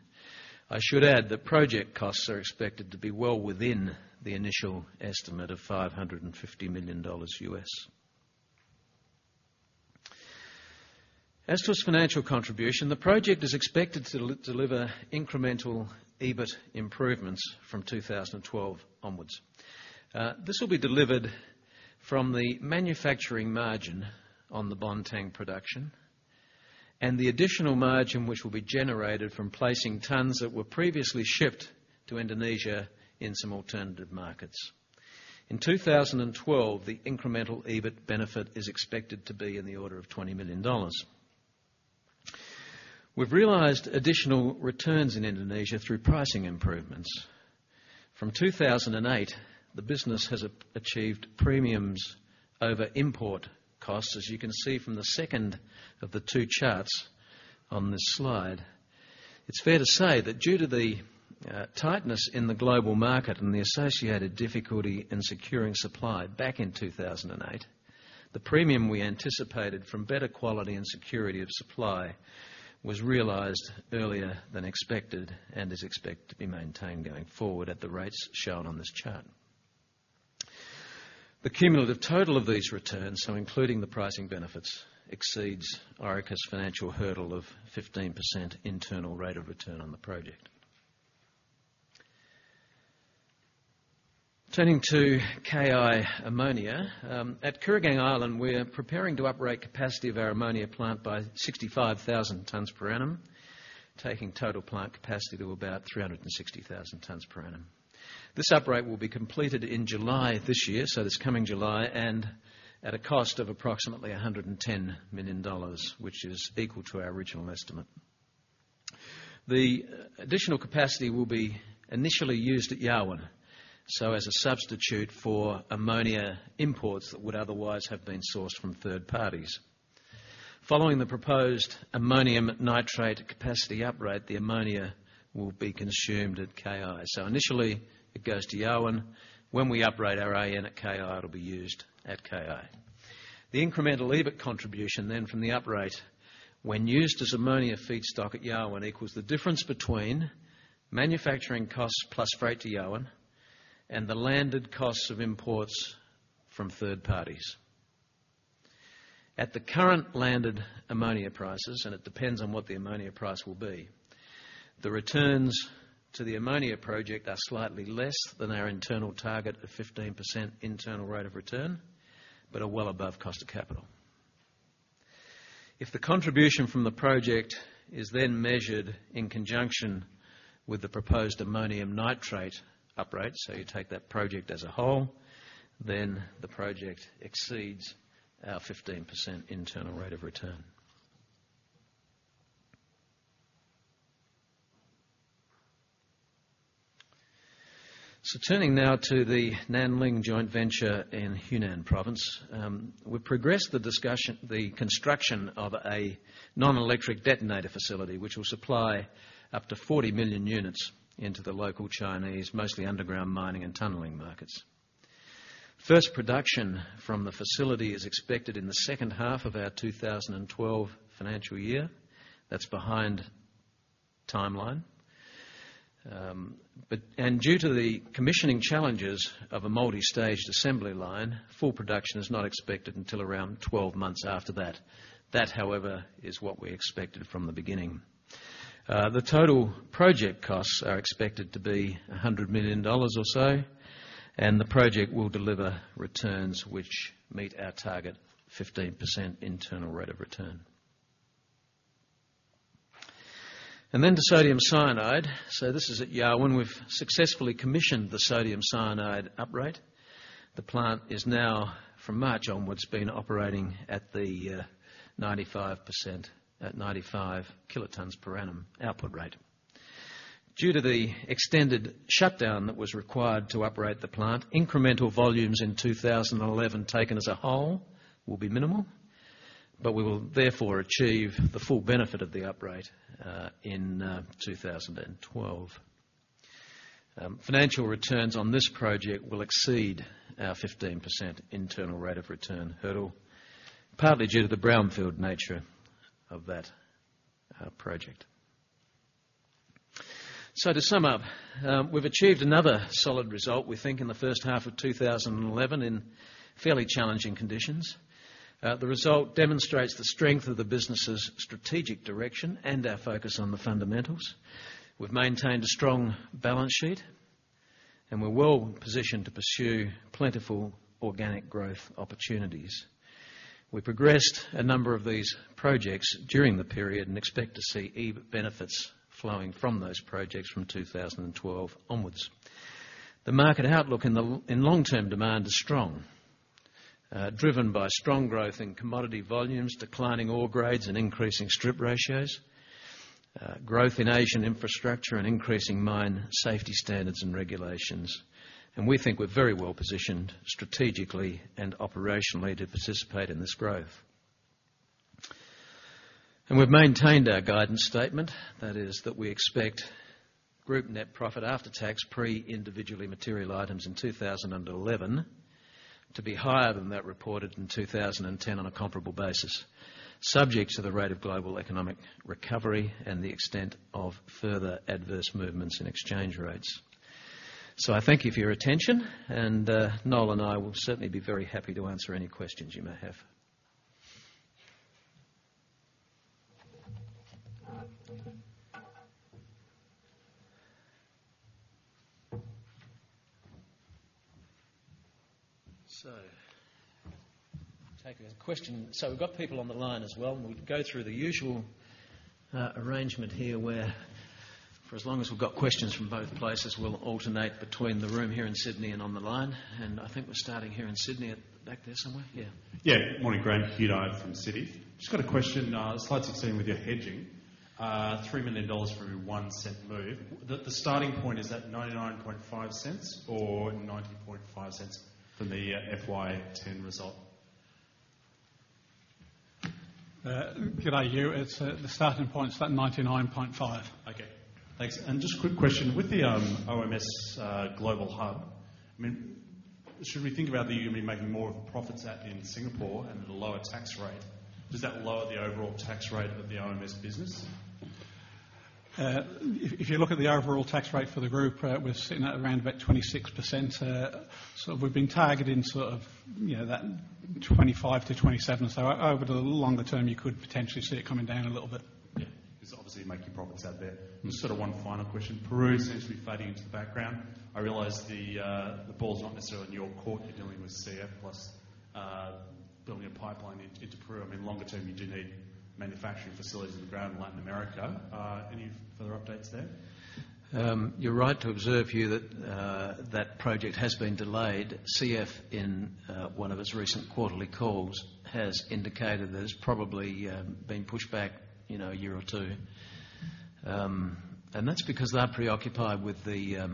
I should add that project costs are expected to be well within the initial estimate of $550 million USD. As to its financial contribution, the project is expected to deliver incremental EBIT improvements from 2012 onwards. This will be delivered from the manufacturing margin on the Bontang production and the additional margin which will be generated from placing tonnes that were previously shipped to Indonesia in some alternative markets. In 2012, the incremental EBIT benefit is expected to be in the order of 20 million dollars. We have realized additional returns in Indonesia through pricing improvements. From 2008, the business has achieved premiums over import costs, as you can see from the second of the two charts on this slide. It's fair to say that due to the tightness in the global market and the associated difficulty in securing supply back in 2008, the premium we anticipated from better quality and security of supply was realized earlier than expected and is expected to be maintained going forward at the rates shown on this chart. The cumulative total of these returns, so including the pricing benefits, exceeds Orica's financial hurdle of 15% internal rate of return on the project. Turning to KI Ammonia. At Kooragang Island, we're preparing to uprate capacity of our ammonia plant by 65,000 tonnes per annum, taking total plant capacity to about 360,000 tonnes per annum. This uprate will be completed in July this year, this coming July, and at a cost of approximately 110 million dollars, which is equal to our original estimate. The additional capacity will be initially used at Yarwun, so as a substitute for ammonia imports that would otherwise have been sourced from third parties. Following the proposed ammonium nitrate capacity uprate, the ammonia will be consumed at KI. Initially, it goes to Yarwun. When we uprate our AN at KI, it'll be used at KI. The incremental EBIT contribution from the uprate when used as ammonia feedstock at Yarwun equals the difference between manufacturing costs plus freight to Yarwun and the landed costs of imports from third parties. At the current landed ammonia prices, the returns to the ammonia project are slightly less than our internal target of 15% internal rate of return, but are well above cost of capital. If the contribution from the project is measured in conjunction with the proposed ammonium nitrate uprate, so you take that project as a whole, the project exceeds our 15% internal rate of return. Turning now to the Nanling joint venture in Hunan Province. We progressed the construction of a non-electric detonator facility, which will supply up to 40 million units into the local Chinese, mostly underground mining and tunneling markets. First production from the facility is expected in the second half of our 2012 financial year. That's behind timeline. Due to the commissioning challenges of a multi-staged assembly line, full production is not expected until around 12 months after that. That, however, is what we expected from the beginning. The total project costs are expected to be 100 million dollars or so, and the project will deliver returns which meet our target 15% internal rate of return. Then to sodium cyanide. This is at Yarwun. We've successfully commissioned the sodium cyanide uprate. The plant is now, from March onwards, been operating at the 95% at 95 kilotons per annum output rate. Due to the extended shutdown that was required to uprate the plant, incremental volumes in 2011 taken as a whole will be minimal. We will therefore achieve the full benefit of the uprate, in 2012. Financial returns on this project will exceed our 15% internal rate of return hurdle, partly due to the brownfield nature of that project. To sum up, we've achieved another solid result, we think, in the first half of 2011 in fairly challenging conditions. The result demonstrates the strength of the business's strategic direction and our focus on the fundamentals. We've maintained a strong balance sheet, and we're well positioned to pursue plentiful organic growth opportunities. We progressed a number of these projects during the period and expect to see EBIT benefits flowing from those projects from 2012 onwards. The market outlook in long-term demand is strong, driven by strong growth in commodity volumes, declining ore grades, and increasing strip ratios, growth in Asian infrastructure, and increasing mine safety standards and regulations. We think we're very well positioned strategically and operationally to participate in this growth. We've maintained our guidance statement, that is that we expect group net profit after tax pre individually material items in 2011 to be higher than that reported in 2010 on a comparable basis, subject to the rate of global economic recovery and the extent of further adverse movements in exchange rates. I thank you for your attention, and Noel and I will certainly be very happy to answer any questions you may have. Take a question. We've got people on the line as well, we go through the usual arrangement here where for as long as we've got questions from both places, we'll alternate between the room here in Sydney and on the line. I think we're starting here in Sydney at back there somewhere. Yeah. Yeah. Morning, Graham Liebelt from Citi. Just got a question. Slide 16 with your hedging, 3 million dollars for every 0.01 move. The starting point, is that 0.995 or 0.905 from the FY 2010 result? Good day, Graham. The starting point is that 0.995. Okay. Thanks. Just a quick question. With the OMS global hub, should we think about that you're going to be making more profits out in Singapore and at a lower tax rate? Does that lower the overall tax rate of the OMS business? If you look at the overall tax rate for the group, we're sitting at around about 26%. We've been targeting sort of that 25% to 27%. Over the longer term, you could potentially see it coming down a little bit. Yeah. Because obviously you're making profits out there. Just sort of one final question. Peru essentially fading into the background. I realize the ball's not necessarily in your court. You're dealing with CF plus building a pipeline into Peru. Longer term, you do need manufacturing facilities on the ground in Latin America. Any further updates there? You're right to observe here that that project has been delayed. CF in one of its recent quarterly calls has indicated that it's probably been pushed back a year or two. That's because they're preoccupied with the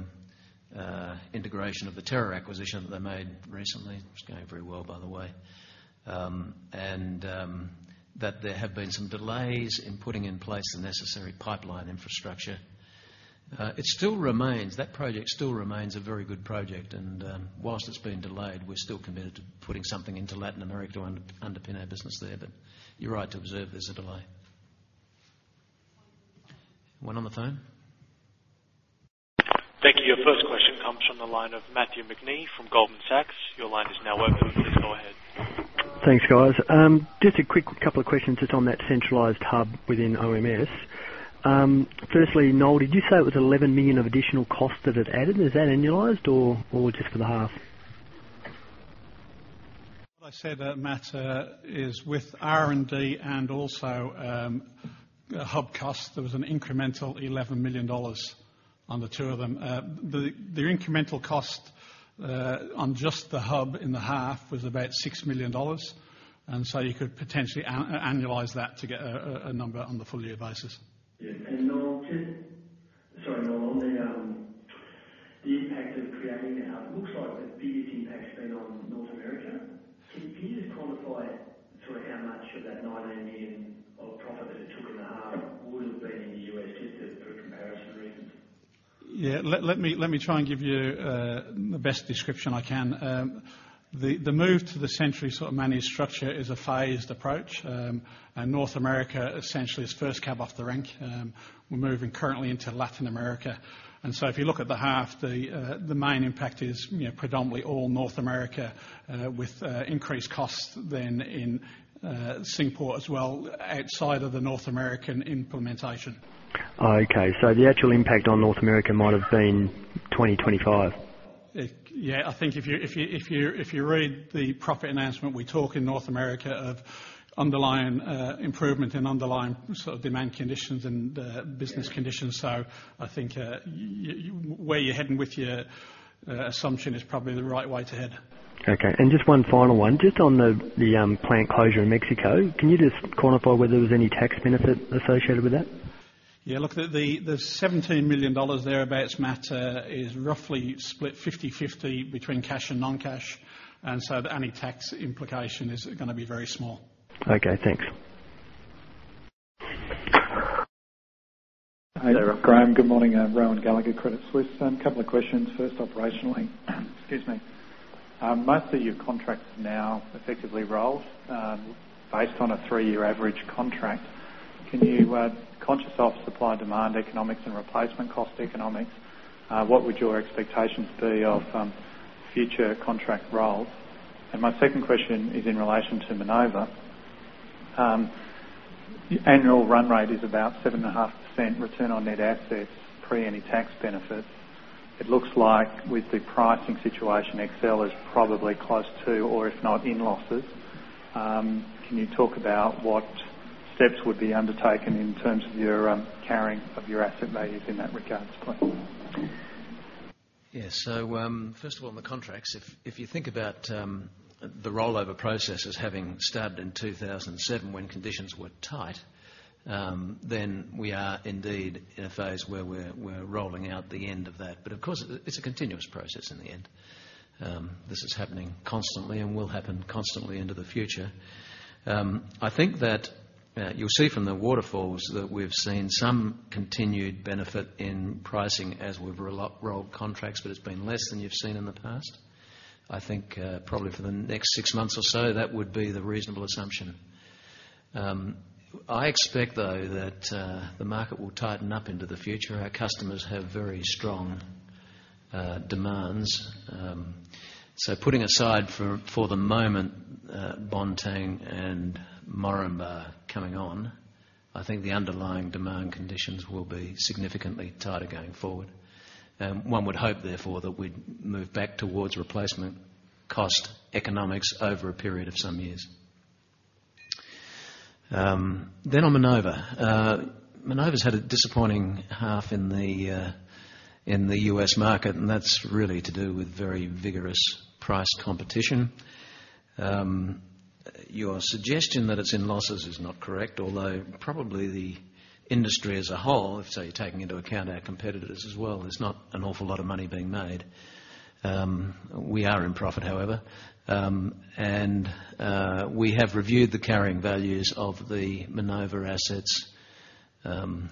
integration of the Terra acquisition that they made recently. It's going very well, by the way. There have been some delays in putting in place the necessary pipeline infrastructure. That project still remains a very good project. Whilst it's been delayed, we're still committed to putting something into Latin America to underpin our business there. You're right to observe there's a delay. One on the phone? Thank you. Your first question comes from the line of Matthew McNee from Goldman Sachs. Your line is now open. Please go ahead. Thanks, guys. Just a quick couple of questions just on that centralized hub within Orica Mining Services. Firstly, Noel Meehan, did you say it was 11 million of additional cost that it added? Is that annualized or just for the half? What I said, Matthew McNee, is with R&D and also hub costs, there was an incremental 11 million dollars on the two of them. The incremental cost on just the hub in the half was about 6 million dollars. So you could potentially annualize that to get a number on the full year basis. Yeah. Noel Meehan, on the impact of creating that, it looks like the biggest impact's been on North America. Can you just quantify how much of that 19 million of profit that it took in the half would've been in the U.S., just for comparison reasons? Yeah. Let me try and give you the best description I can. The move to the centrally managed structure is a phased approach, and North America essentially is first cab off the rank. We're moving currently into Latin America. So if you look at the half, the main impact is predominantly all North America, with increased costs then in Singapore as well, outside of the North American implementation. Okay. The actual impact on North America might have been 20, 25? I think if you read the profit announcement, we talk in North America of underlying improvement in underlying demand conditions and business conditions. I think where you're heading with your assumption is probably the right way to head. Okay. Just one final one, just on the plant closure in Mexico, can you just quantify whether there was any tax benefit associated with that? The 17 million dollars thereabouts, Matt, is roughly split 50/50 between cash and non-cash, any tax implication is gonna be very small. Okay, thanks. Graham, good morning. Rohan Gallagher, Credit Suisse. A couple of questions. First, operationally, excuse me. Most of your contracts are now effectively rolled, based on a three-year average contract. Conscious of supply and demand economics and replacement cost economics, what would your expectations be of future contract rolls? My second question is in relation to Minova. Annual run rate is about 7.5% return on net assets pre any tax benefit. It looks like with the pricing situation, XL is probably close to or if not in losses. Can you talk about what steps would be undertaken in terms of your carrying of your asset values in that regards point? Yes. First of all, on the contracts, if you think about the rollover processes having started in 2007 when conditions were tight, then we are indeed in a phase where we're rolling out the end of that. Of course, it's a continuous process in the end. This is happening constantly and will happen constantly into the future. I think that you'll see from the waterfalls that we've seen some continued benefit in pricing as we've rolled contracts, but it's been less than you've seen in the past. I think, probably for the next six months or so, that would be the reasonable assumption. I expect, though, that the market will tighten up into the future. Our customers have very strong demands. Putting aside for the moment, Bontang and Moranbah coming on, I think the underlying demand conditions will be significantly tighter going forward. One would hope, therefore, that we'd move back towards replacement cost economics over a period of some years. On Minova. Minova's had a disappointing half in the U.S. market, and that's really to do with very vigorous price competition. Your suggestion that it's in losses is not correct, although probably the industry as a whole, if, say, you're taking into account our competitors as well, there's not an awful lot of money being made. We are in profit, however. We have reviewed the carrying values of the Minova assets,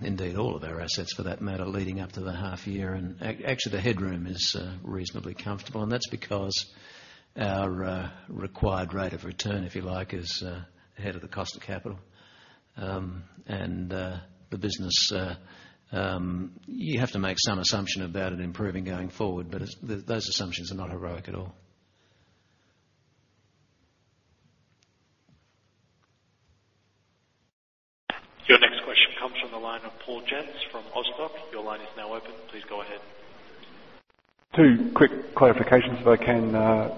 indeed all of our assets for that matter, leading up to the half year. Actually, the headroom is reasonably comfortable, and that's because our required rate of return, if you like, is ahead of the cost of capital. The business, you have to make some assumption about it improving going forward, but those assumptions are not heroic at all. Your next question comes from the line of Paul Jensz from Austock. Your line is now open. Please go ahead. Two quick clarifications if I can,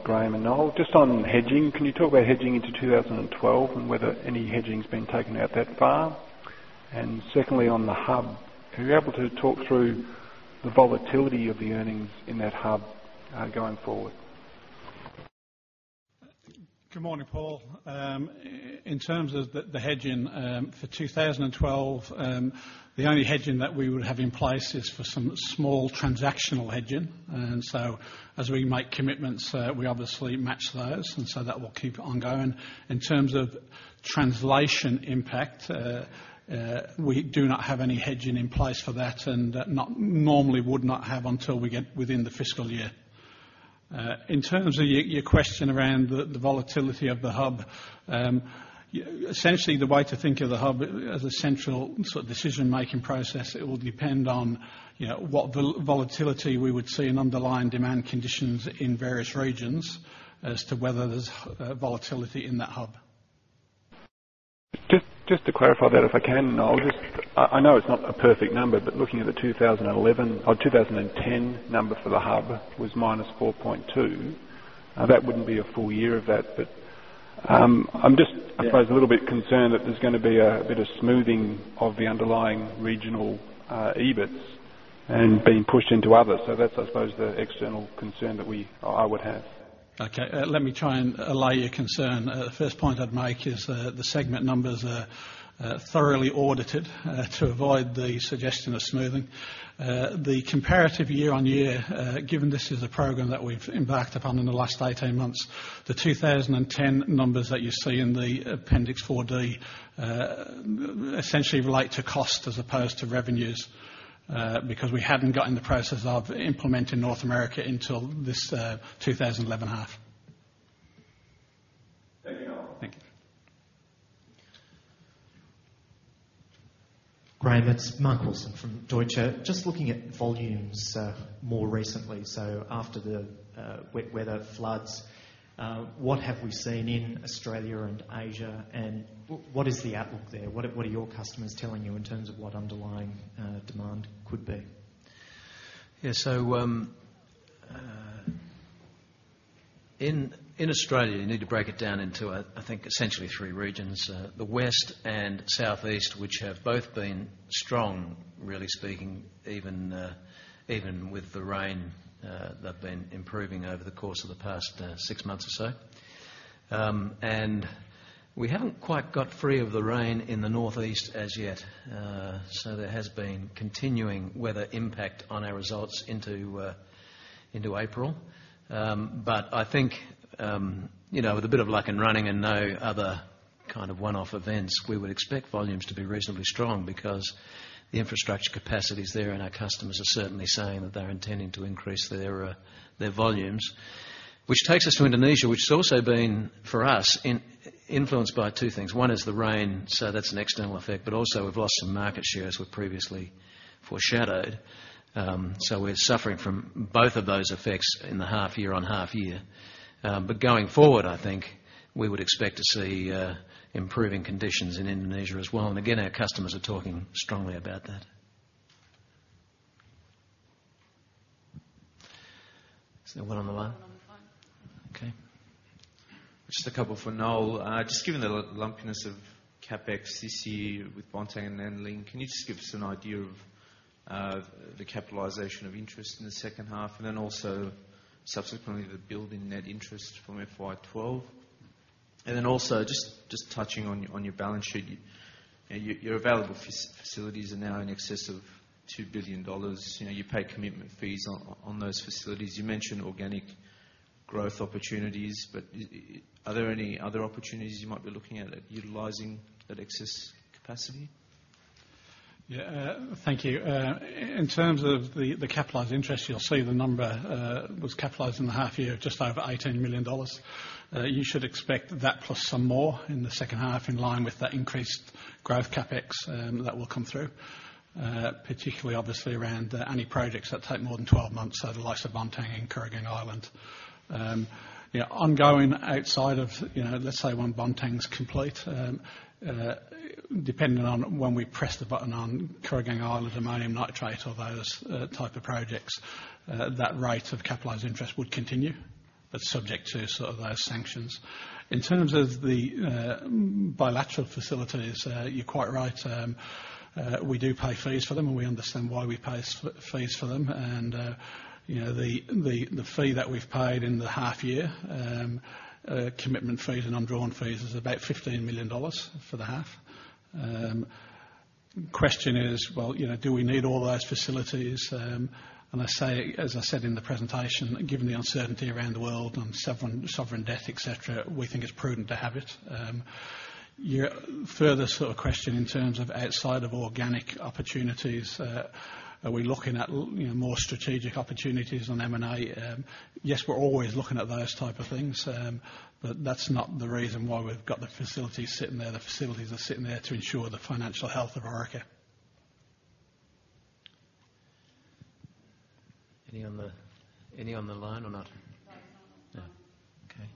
Graeme and Noel. Just on hedging, can you talk about hedging into 2012 and whether any hedging's been taken out that far? Secondly, on the hub, are you able to talk through the volatility of the earnings in that hub going forward? Good morning, Paul. In terms of the hedging, for 2012, the only hedging that we would have in place is for some small transactional hedging. As we make commitments, we obviously match those, and so that will keep ongoing. In terms of translation impact, we do not have any hedging in place for that, and normally would not have until we get within the fiscal year. In terms of your question around the volatility of the hub, essentially the way to think of the hub as a central decision-making process, it will depend on what volatility we would see in underlying demand conditions in various regions as to whether there's volatility in that hub. Just to clarify that, if I can, Noel. I know it's not a perfect number, but looking at the 2010 number for the hub was -4.2. That wouldn't be a full year of that, but I'm just, I suppose, a little bit concerned that there's going to be a bit of smoothing of the underlying regional EBITs and being pushed into others. That's, I suppose, the external concern that I would have. Okay. Let me try and allay your concern. The first point I'd make is the segment numbers are thoroughly audited to avoid the suggestion of smoothing. The comparative year-on-year, given this is a program that we've embarked upon in the last 18 months, the 2010 numbers that you see in the Appendix 4D essentially relate to cost as opposed to revenues, because we hadn't gotten the process of implementing North America until this 2011 half. Thank you, Noel. Thank you. Graham, it's Mark Wilson from Deutsche. Just looking at volumes more recently, so after the wet weather floods, what have we seen in Australia and Asia, and what is the outlook there? What are your customers telling you in terms of what underlying demand could be? Yeah, in Australia, you need to break it down into I think essentially three regions. The west and southeast, which have both been strong, really speaking, even with the rain. They've been improving over the course of the past six months or so. We haven't quite got free of the rain in the northeast as yet. There has been continuing weather impact on our results into April. I think, with a bit of luck and running and no other kind of one-off events, we would expect volumes to be reasonably strong because the infrastructure capacity's there and our customers are certainly saying that they're intending to increase their volumes. Which takes us to Indonesia, which has also been, for us, influenced by two things. One is the rain, so that's an external effect, but also we've lost some market share as we previously foreshadowed. We're suffering from both of those effects in the half year on half year. Going forward, I think, we would expect to see improving conditions in Indonesia as well. Again, our customers are talking strongly about that. Is there one on the line? One on the phone. Okay. Just a couple for Noel. Given the lumpiness of CapEx this year with Bontang and Nanling, can you just give us an idea of the capitalization of interest in the second half, subsequently the build in net interest from FY 2012? Also, just touching on your balance sheet, your available facilities are now in excess of 2 billion dollars. You pay commitment fees on those facilities. You mentioned organic growth opportunities, but are there any other opportunities you might be looking at utilizing that excess capacity? Yeah. Thank you. In terms of the capitalized interest, you'll see the number was capitalized in the half year of just over 18 million dollars. You should expect that plus some more in the second half in line with that increased growth CapEx that will come through, particularly obviously around any projects that take more than 12 months, so the likes of Bontang and Kooragang Island. Ongoing outside of, let's say when Bontang's complete, depending on when we press the button on Kooragang Island ammonium nitrate or those type of projects, that rate of capitalized interest would continue, but subject to sort of those sanctions. In terms of the bilateral facilities, you're quite right. We do pay fees for them, and we understand why we pay fees for them. The fee that we've paid in the half year, commitment fees and undrawn fees, is about 15 million dollars for the half. Question is, well, do we need all those facilities? As I said in the presentation, given the uncertainty around the world on sovereign debt, et cetera, we think it's prudent to have it. Your further sort of question in terms of outside of organic opportunities, are we looking at more strategic opportunities on M&A? Yes, we're always looking at those type of things. That's not the reason why we've got the facilities sitting there. The facilities are sitting there to ensure the financial health of Orica. Any on the line or not? No, there's none on the phone. Okay.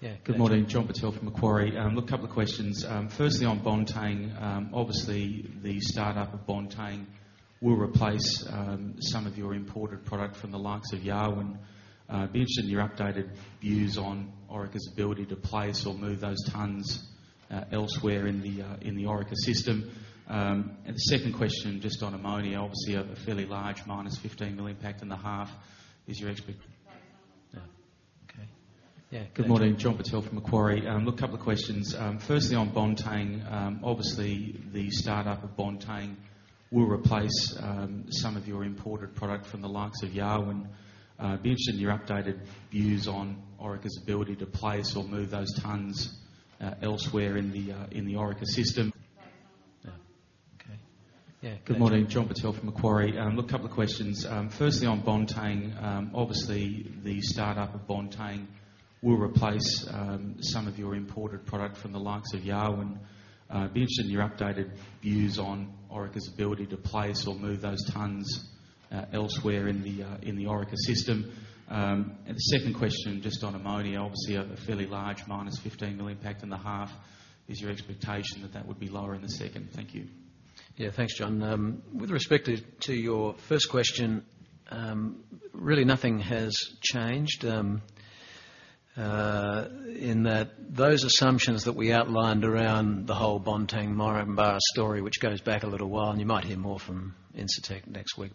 Yeah. Good morning. John Purtell from Macquarie. Look, a couple of questions. Firstly, on Bontang, obviously the startup of Bontang will replace some of your imported product from the likes of Yarwun. I would be interested in your updated views on Orica's ability to place or move those tons elsewhere in the Orica system. The second question, just on ammonia, obviously you have a fairly large minus 15 million impact in the half. There is none on the phone. Okay. Yeah. Good morning. John Purtell from Macquarie. Look, a couple of questions. Firstly on Bontang, obviously the startup of Bontang will replace some of your imported product from the likes of Yarwun. I would be interested in your updated views on Orica's ability to place or move those tons elsewhere in the Orica system. Good morning. John Purtell from Macquarie. Look, a couple of questions. Firstly, on Bontang, obviously, the startup of Bontang will replace some of your imported product from the likes of Yarwun. Be interested in your updated views on Orica's ability to place or move those tons elsewhere in the Orica system. The second question, just on ammonia, obviously, you have a fairly large minus 15 million impact in the half. Is your expectation that that would be lower in the second? Thank you. Yeah. Thanks, John. With respect to your first question, really nothing has changed, in that those assumptions that we outlined around the whole Bontang Moranbah story, which goes back a little while, you might hear more from Incitec next week.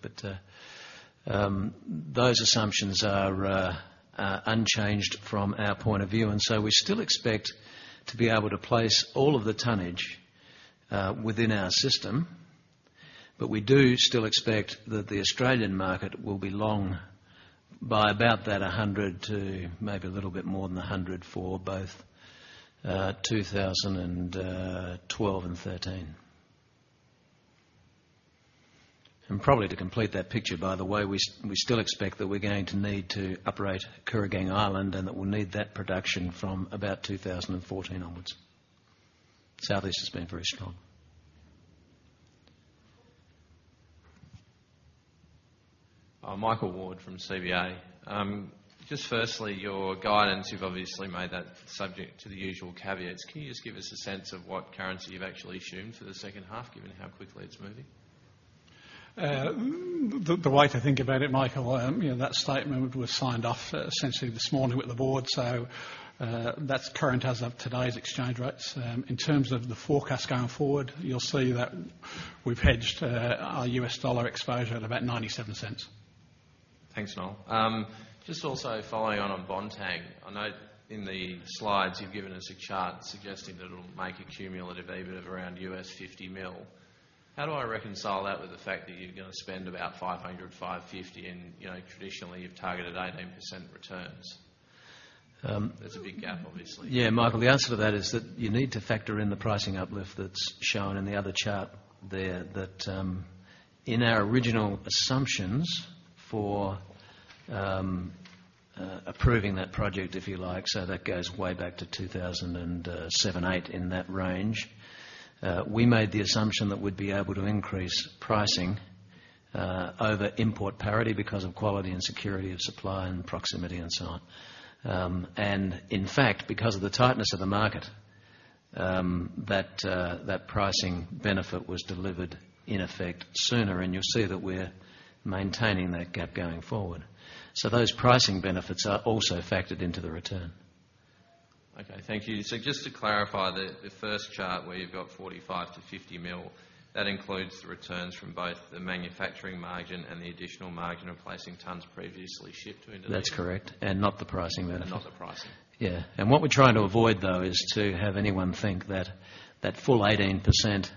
Those assumptions are unchanged from our point of view. We still expect to be able to place all of the tonnage within our system. We do still expect that the Australian market will be long by about that 100 to maybe a little bit more than 100 for both 2012 and 2013. Probably to complete that picture, by the way, we still expect that we're going to need to operate Kooragang Island, and that we'll need that production from about 2014 onwards. Southeast has been very strong. Michael Ward from CBA. Just firstly, your guidance, you've obviously made that subject to the usual caveats. Can you just give us a sense of what currency you've actually assumed for the second half, given how quickly it's moving? The way to think about it, Michael, that statement was signed off essentially this morning with the board. That's current as of today's exchange rates. In terms of the forecast going forward, you'll see that we've hedged our U.S. dollar exposure at about $0.97. Thanks, Noel. Also following on on Bontang. I note in the slides you've given us a chart suggesting that it'll make a cumulative EBITDA of around $50 million. How do I reconcile that with the fact that you're going to spend about $500 million, $550 million and traditionally you've targeted 18% returns? There's a big gap, obviously. Yeah, Michael, the answer to that is that you need to factor in the pricing uplift that's shown in the other chart there. That in our original assumptions for approving that project, if you like, that goes way back to 2007, 2008, in that range. We made the assumption that we'd be able to increase pricing over import parity because of quality and security of supply and proximity and so on. In fact, because of the tightness of the market, that pricing benefit was delivered in effect sooner. You'll see that we're maintaining that gap going forward. Those pricing benefits are also factored into the return. Okay. Thank you. Just to clarify the first chart where you've got $45 million-$50 million, that includes the returns from both the manufacturing margin and the additional margin replacing tons previously shipped to Indonesia? That's correct. Not the pricing benefit. Not the pricing. What we're trying to avoid, though, is to have anyone think that that full 18%,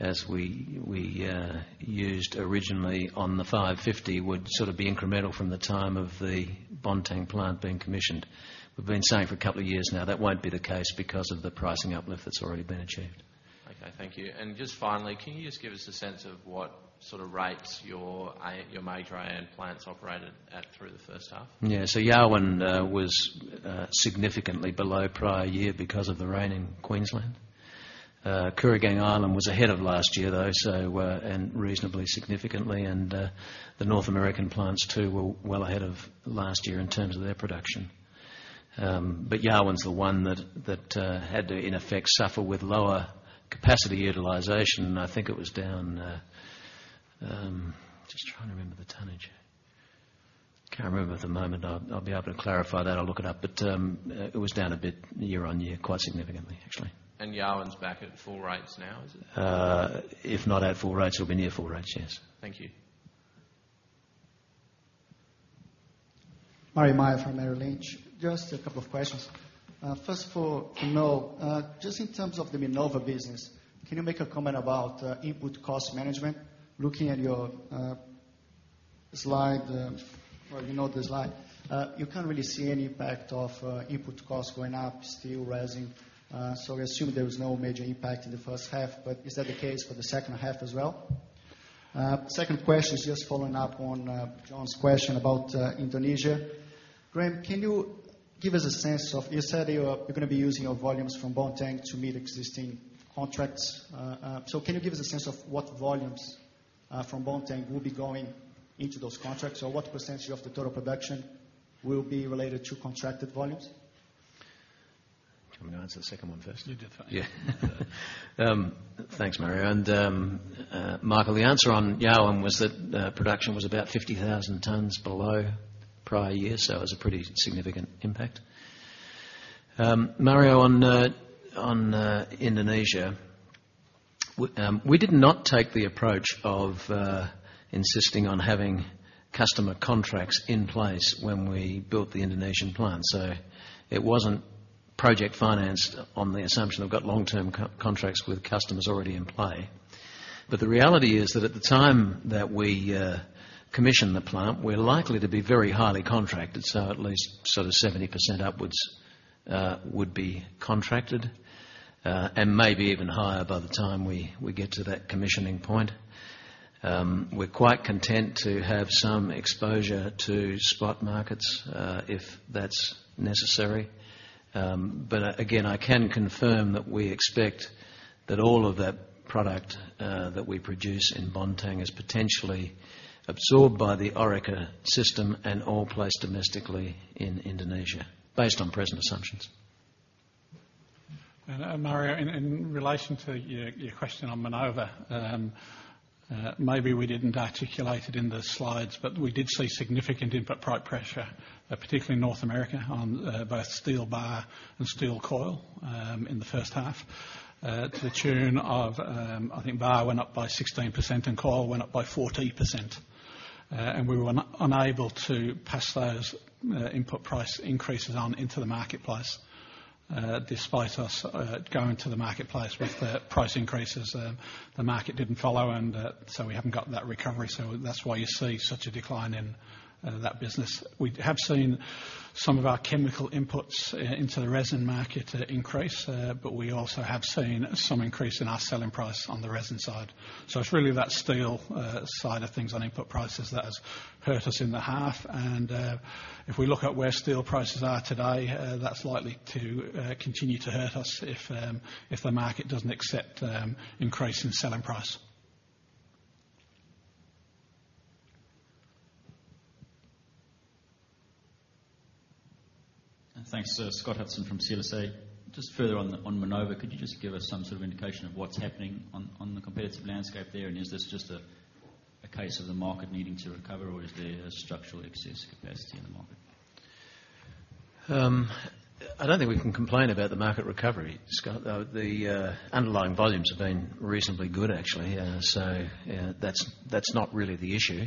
as we used originally on the $550, would sort of be incremental from the time of the Bontang plant being commissioned. We've been saying for a couple of years now, that won't be the case because of the pricing uplift that's already been achieved. Thank you. Just finally, can you just give us a sense of what sort of rates your major AN plants operated at through the first half? Yarwun was significantly below prior year because of the rain in Queensland. Kooragang Island was ahead of last year, though, and reasonably significantly. The North American plants too, were well ahead of last year in terms of their production. Yarwun's the one that had to, in effect, suffer with lower capacity utilization. I think it was down. Just trying to remember the tonnage. Can't remember at the moment. I'll be able to clarify that. I'll look it up. It was down a bit year on year, quite significantly, actually. Yarwun's back at full rates now, is it? If not at full rates, it'll be near full rates, yes. Thank you. Andrew Meyer from Merrill Lynch. Just a couple of questions. First for Noel, just in terms of the Minova business, can you make a comment about input cost management? Looking at your slide, well, you know the slide, you can't really see any impact of input costs going up, still rising. I assume there was no major impact in the first half. Is that the case for the second half as well? Second question is just following up on John's question about Indonesia. Graeme, can you give us a sense of, you said you're gonna be using your volumes from Bontang to meet existing contracts. Can you give us a sense of what volumes from Bontang will be going into those contracts? Or what percentage of the total production will be related to contracted volumes? You want me to answer the second one first? You do that. Yeah. Thanks, Andrew. Michael, the answer on Yarwun was that production was about 50,000 tons below prior year, it was a pretty significant impact. Andrew, on Indonesia, we did not take the approach of insisting on having customer contracts in place when we built the Indonesian plant. It wasn't project financed on the assumption they've got long-term contracts with customers already in play. The reality is that at the time that we commission the plant, we're likely to be very highly contracted, at least sort of 70% upwards would be contracted. Maybe even higher by the time we get to that commissioning point. We're quite content to have some exposure to spot markets, if that's necessary. Again, I can confirm that we expect that all of that product that we produce in Bontang is potentially absorbed by the Orica system and all placed domestically in Indonesia based on present assumptions. Andrew, in relation to your question on Minova, maybe we didn't articulate it in the slides, we did see significant input price pressure, particularly in North America, on both steel bar and steel coil in the first half to the tune of, I think bar went up by 16% and coil went up by 14%. We were unable to pass those input price increases on into the marketplace. Despite us going to the marketplace with the price increases, the market didn't follow, we haven't gotten that recovery. That's why you see such a decline in that business. We have seen some of our chemical inputs into the resin market increase, we also have seen some increase in our selling price on the resin side. It's really that steel side of things on input prices that has hurt us in the half. If we look at where steel prices are today, that's likely to continue to hurt us if the market doesn't accept increase in selling price. Thanks, sir. Scott Hudson from CLSA. Just further on Minova, could you just give us some sort of indication of what's happening on the competitive landscape there? Is this just a case of the market needing to recover, or is there a structural excess capacity in the market? I don't think we can complain about the market recovery, Scott. The underlying volumes have been reasonably good, actually. That's not really the issue.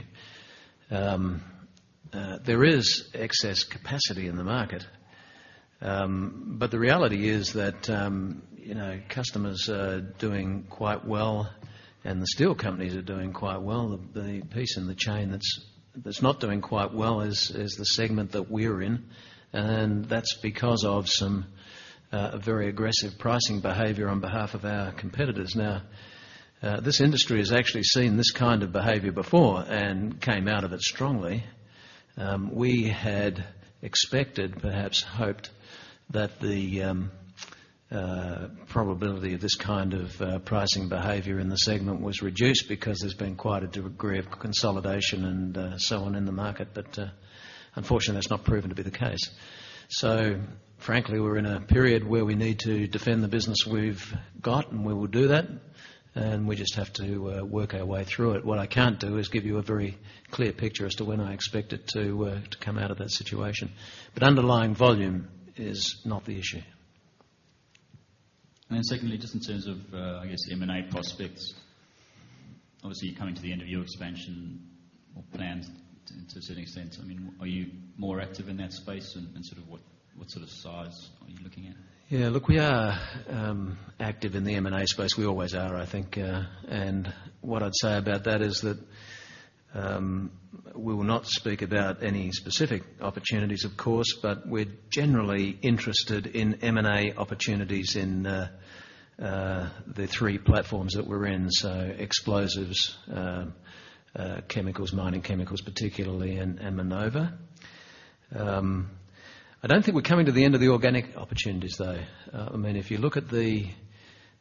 There is excess capacity in the market. The reality is that customers are doing quite well, and the steel companies are doing quite well. The piece in the chain that's not doing quite well is the segment that we're in. That's because of some very aggressive pricing behavior on behalf of our competitors. This industry has actually seen this kind of behavior before and came out of it strongly. We had expected, perhaps hoped, that the probability of this kind of pricing behavior in the segment was reduced because there's been quite a degree of consolidation and so on in the market. Unfortunately, that's not proven to be the case. frankly, we're in a period where we need to defend the business we've got, and we will do that. We just have to work our way through it. What I can't do is give you a very clear picture as to when I expect it to come out of that situation. Underlying volume is not the issue. secondly, just in terms of, I guess, the M&A prospects. Obviously, you're coming to the end of your expansion or plans to a certain extent. Are you more active in that space, and what sort of size are you looking at? We are active in the M&A space. We always are, I think. What I'd say about that is that we will not speak about any specific opportunities, of course, but we're generally interested in M&A opportunities in the three platforms that we're in. Explosives, chemicals, mining chemicals particularly, and Minova. I don't think we're coming to the end of the organic opportunities, though. If you look at the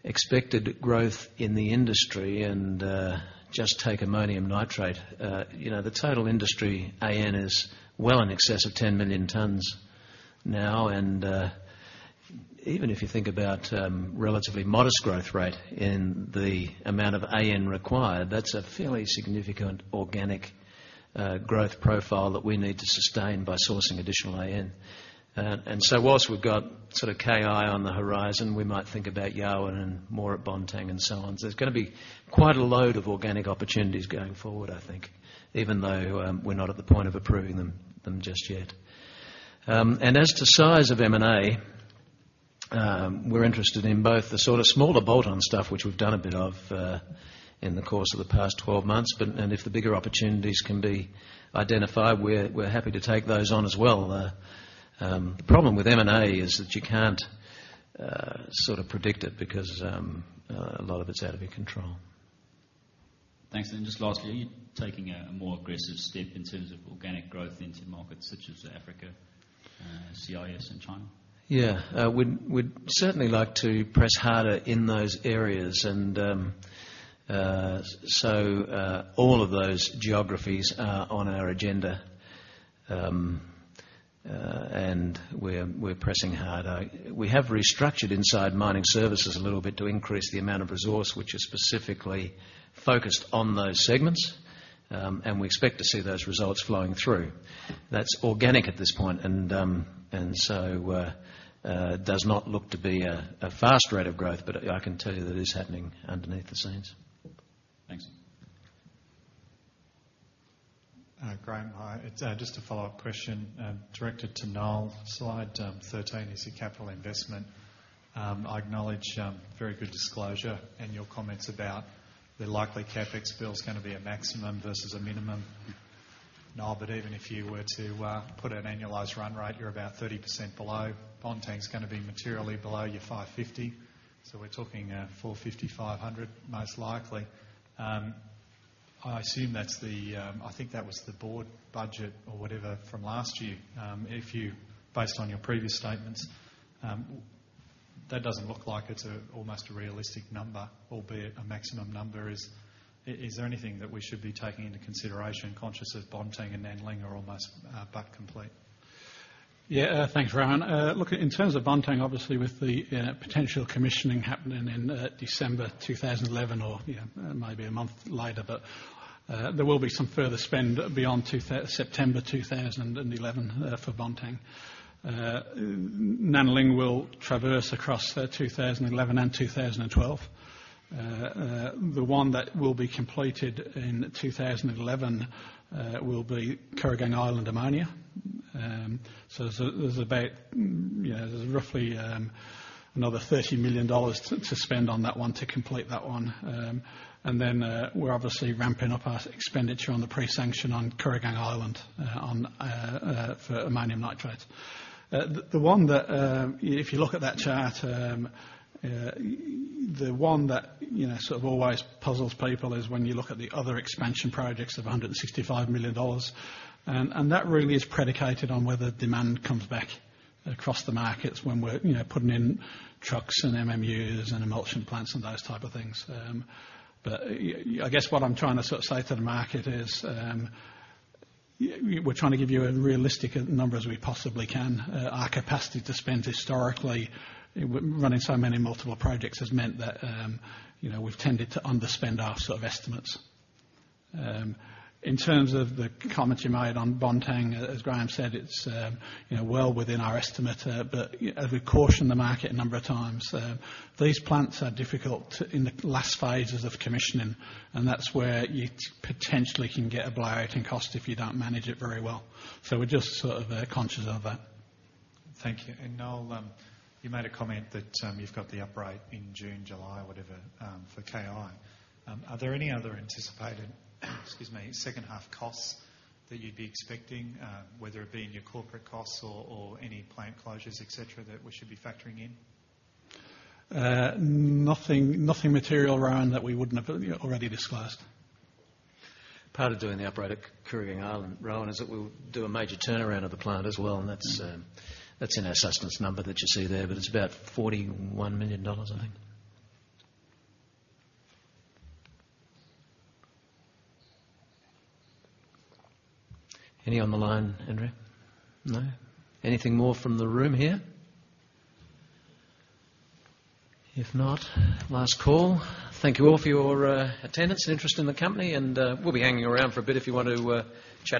expected growth in the industry and just take ammonium nitrate, the total industry AN is well in excess of 10 million tons now. Even if you think about relatively modest growth rate in the amount of AN required, that's a fairly significant organic growth profile that we need to sustain by sourcing additional AN. Whilst we've got KI on the horizon, we might think about Yarwun and more at Bontang and so on. There's going to be quite a load of organic opportunities going forward, I think, even though we're not at the point of approving them just yet. As to size of M&A, we're interested in both the sort of smaller bolt-on stuff, which we've done a bit of in the course of the past 12 months. If the bigger opportunities can be identified, we're happy to take those on as well. The problem with M&A is that you can't sort of predict it because a lot of it's out of your control. Just lastly, are you taking a more aggressive step in terms of organic growth into markets such as Africa, CIS, and China? Yeah. We'd certainly like to press harder in those areas. All of those geographies are on our agenda. We're pressing harder. We have restructured inside Mining Services a little bit to increase the amount of resource which is specifically focused on those segments, and we expect to see those results flowing through. That's organic at this point, does not look to be a fast rate of growth, but I can tell you that it is happening underneath the scenes. Thanks. Graham, hi. It's just a follow-up question directed to Noel. Slide 13, you see capital investment. I acknowledge very good disclosure and your comments about the likely CapEx bill's going to be a maximum versus a minimum Noel, but even if you were to put an annualized run rate, you're about 30% below. Bontang's going to be materially below your $550. We're talking $450, $500, most likely. I think that was the board budget or whatever from last year. Based on your previous statements, that doesn't look like it's almost a realistic number, albeit a maximum number. Is there anything that we should be taking into consideration, conscious of Bontang and Nanling are almost but complete? Yeah. Thanks, Rohan. Look, in terms of Bontang, obviously with the potential commissioning happening in December 2011 or maybe a month later, but there will be some further spend beyond September 2011 for Bontang. Nanling will traverse across 2011 and 2012. The one that will be completed in 2011 will be Kooragang Island ammonia. There's roughly another 30 million dollars to spend on that one to complete that one. Then we're obviously ramping up our expenditure on the pre-sanction on Kooragang Island for ammonium nitrate. If you look at that chart, the one that sort of always puzzles people is when you look at the other expansion projects of 165 million dollars. That really is predicated on whether demand comes back across the markets when we're putting in trucks and MMUs and emulsion plants and those type of things. I guess what I'm trying to sort of say to the market is, we're trying to give you a realistic a number as we possibly can. Our capacity to spend historically, running so many multiple projects has meant that we've tended to underspend our sort of estimates. In terms of the comments you made on Bontang, as Graeme said, it's well within our estimate. As we cautioned the market a number of times, these plants are difficult in the last phases of commissioning, and that's where you potentially can get a blow-out in cost if you don't manage it very well. We're just sort of conscious of that. Thank you. Noel, you made a comment that you've got the uprate in June, July, whatever, for KI. Are there any other anticipated, excuse me, second half costs that you'd be expecting, whether it be in your corporate costs or any plant closures, et cetera, that we should be factoring in? Nothing material, Rohan, that we wouldn't have already disclosed. Part of doing the uprate at Kooragang Island, Rohan, is that we'll do a major turnaround of the plant as well, and that's in our sustenance number that you see there. It's about 41 million dollars, I think. Any on the line, Andrea? No. Anything more from the room here? If not, last call. Thank you all for your attendance and interest in the company. We'll be hanging around for a bit if you want to chat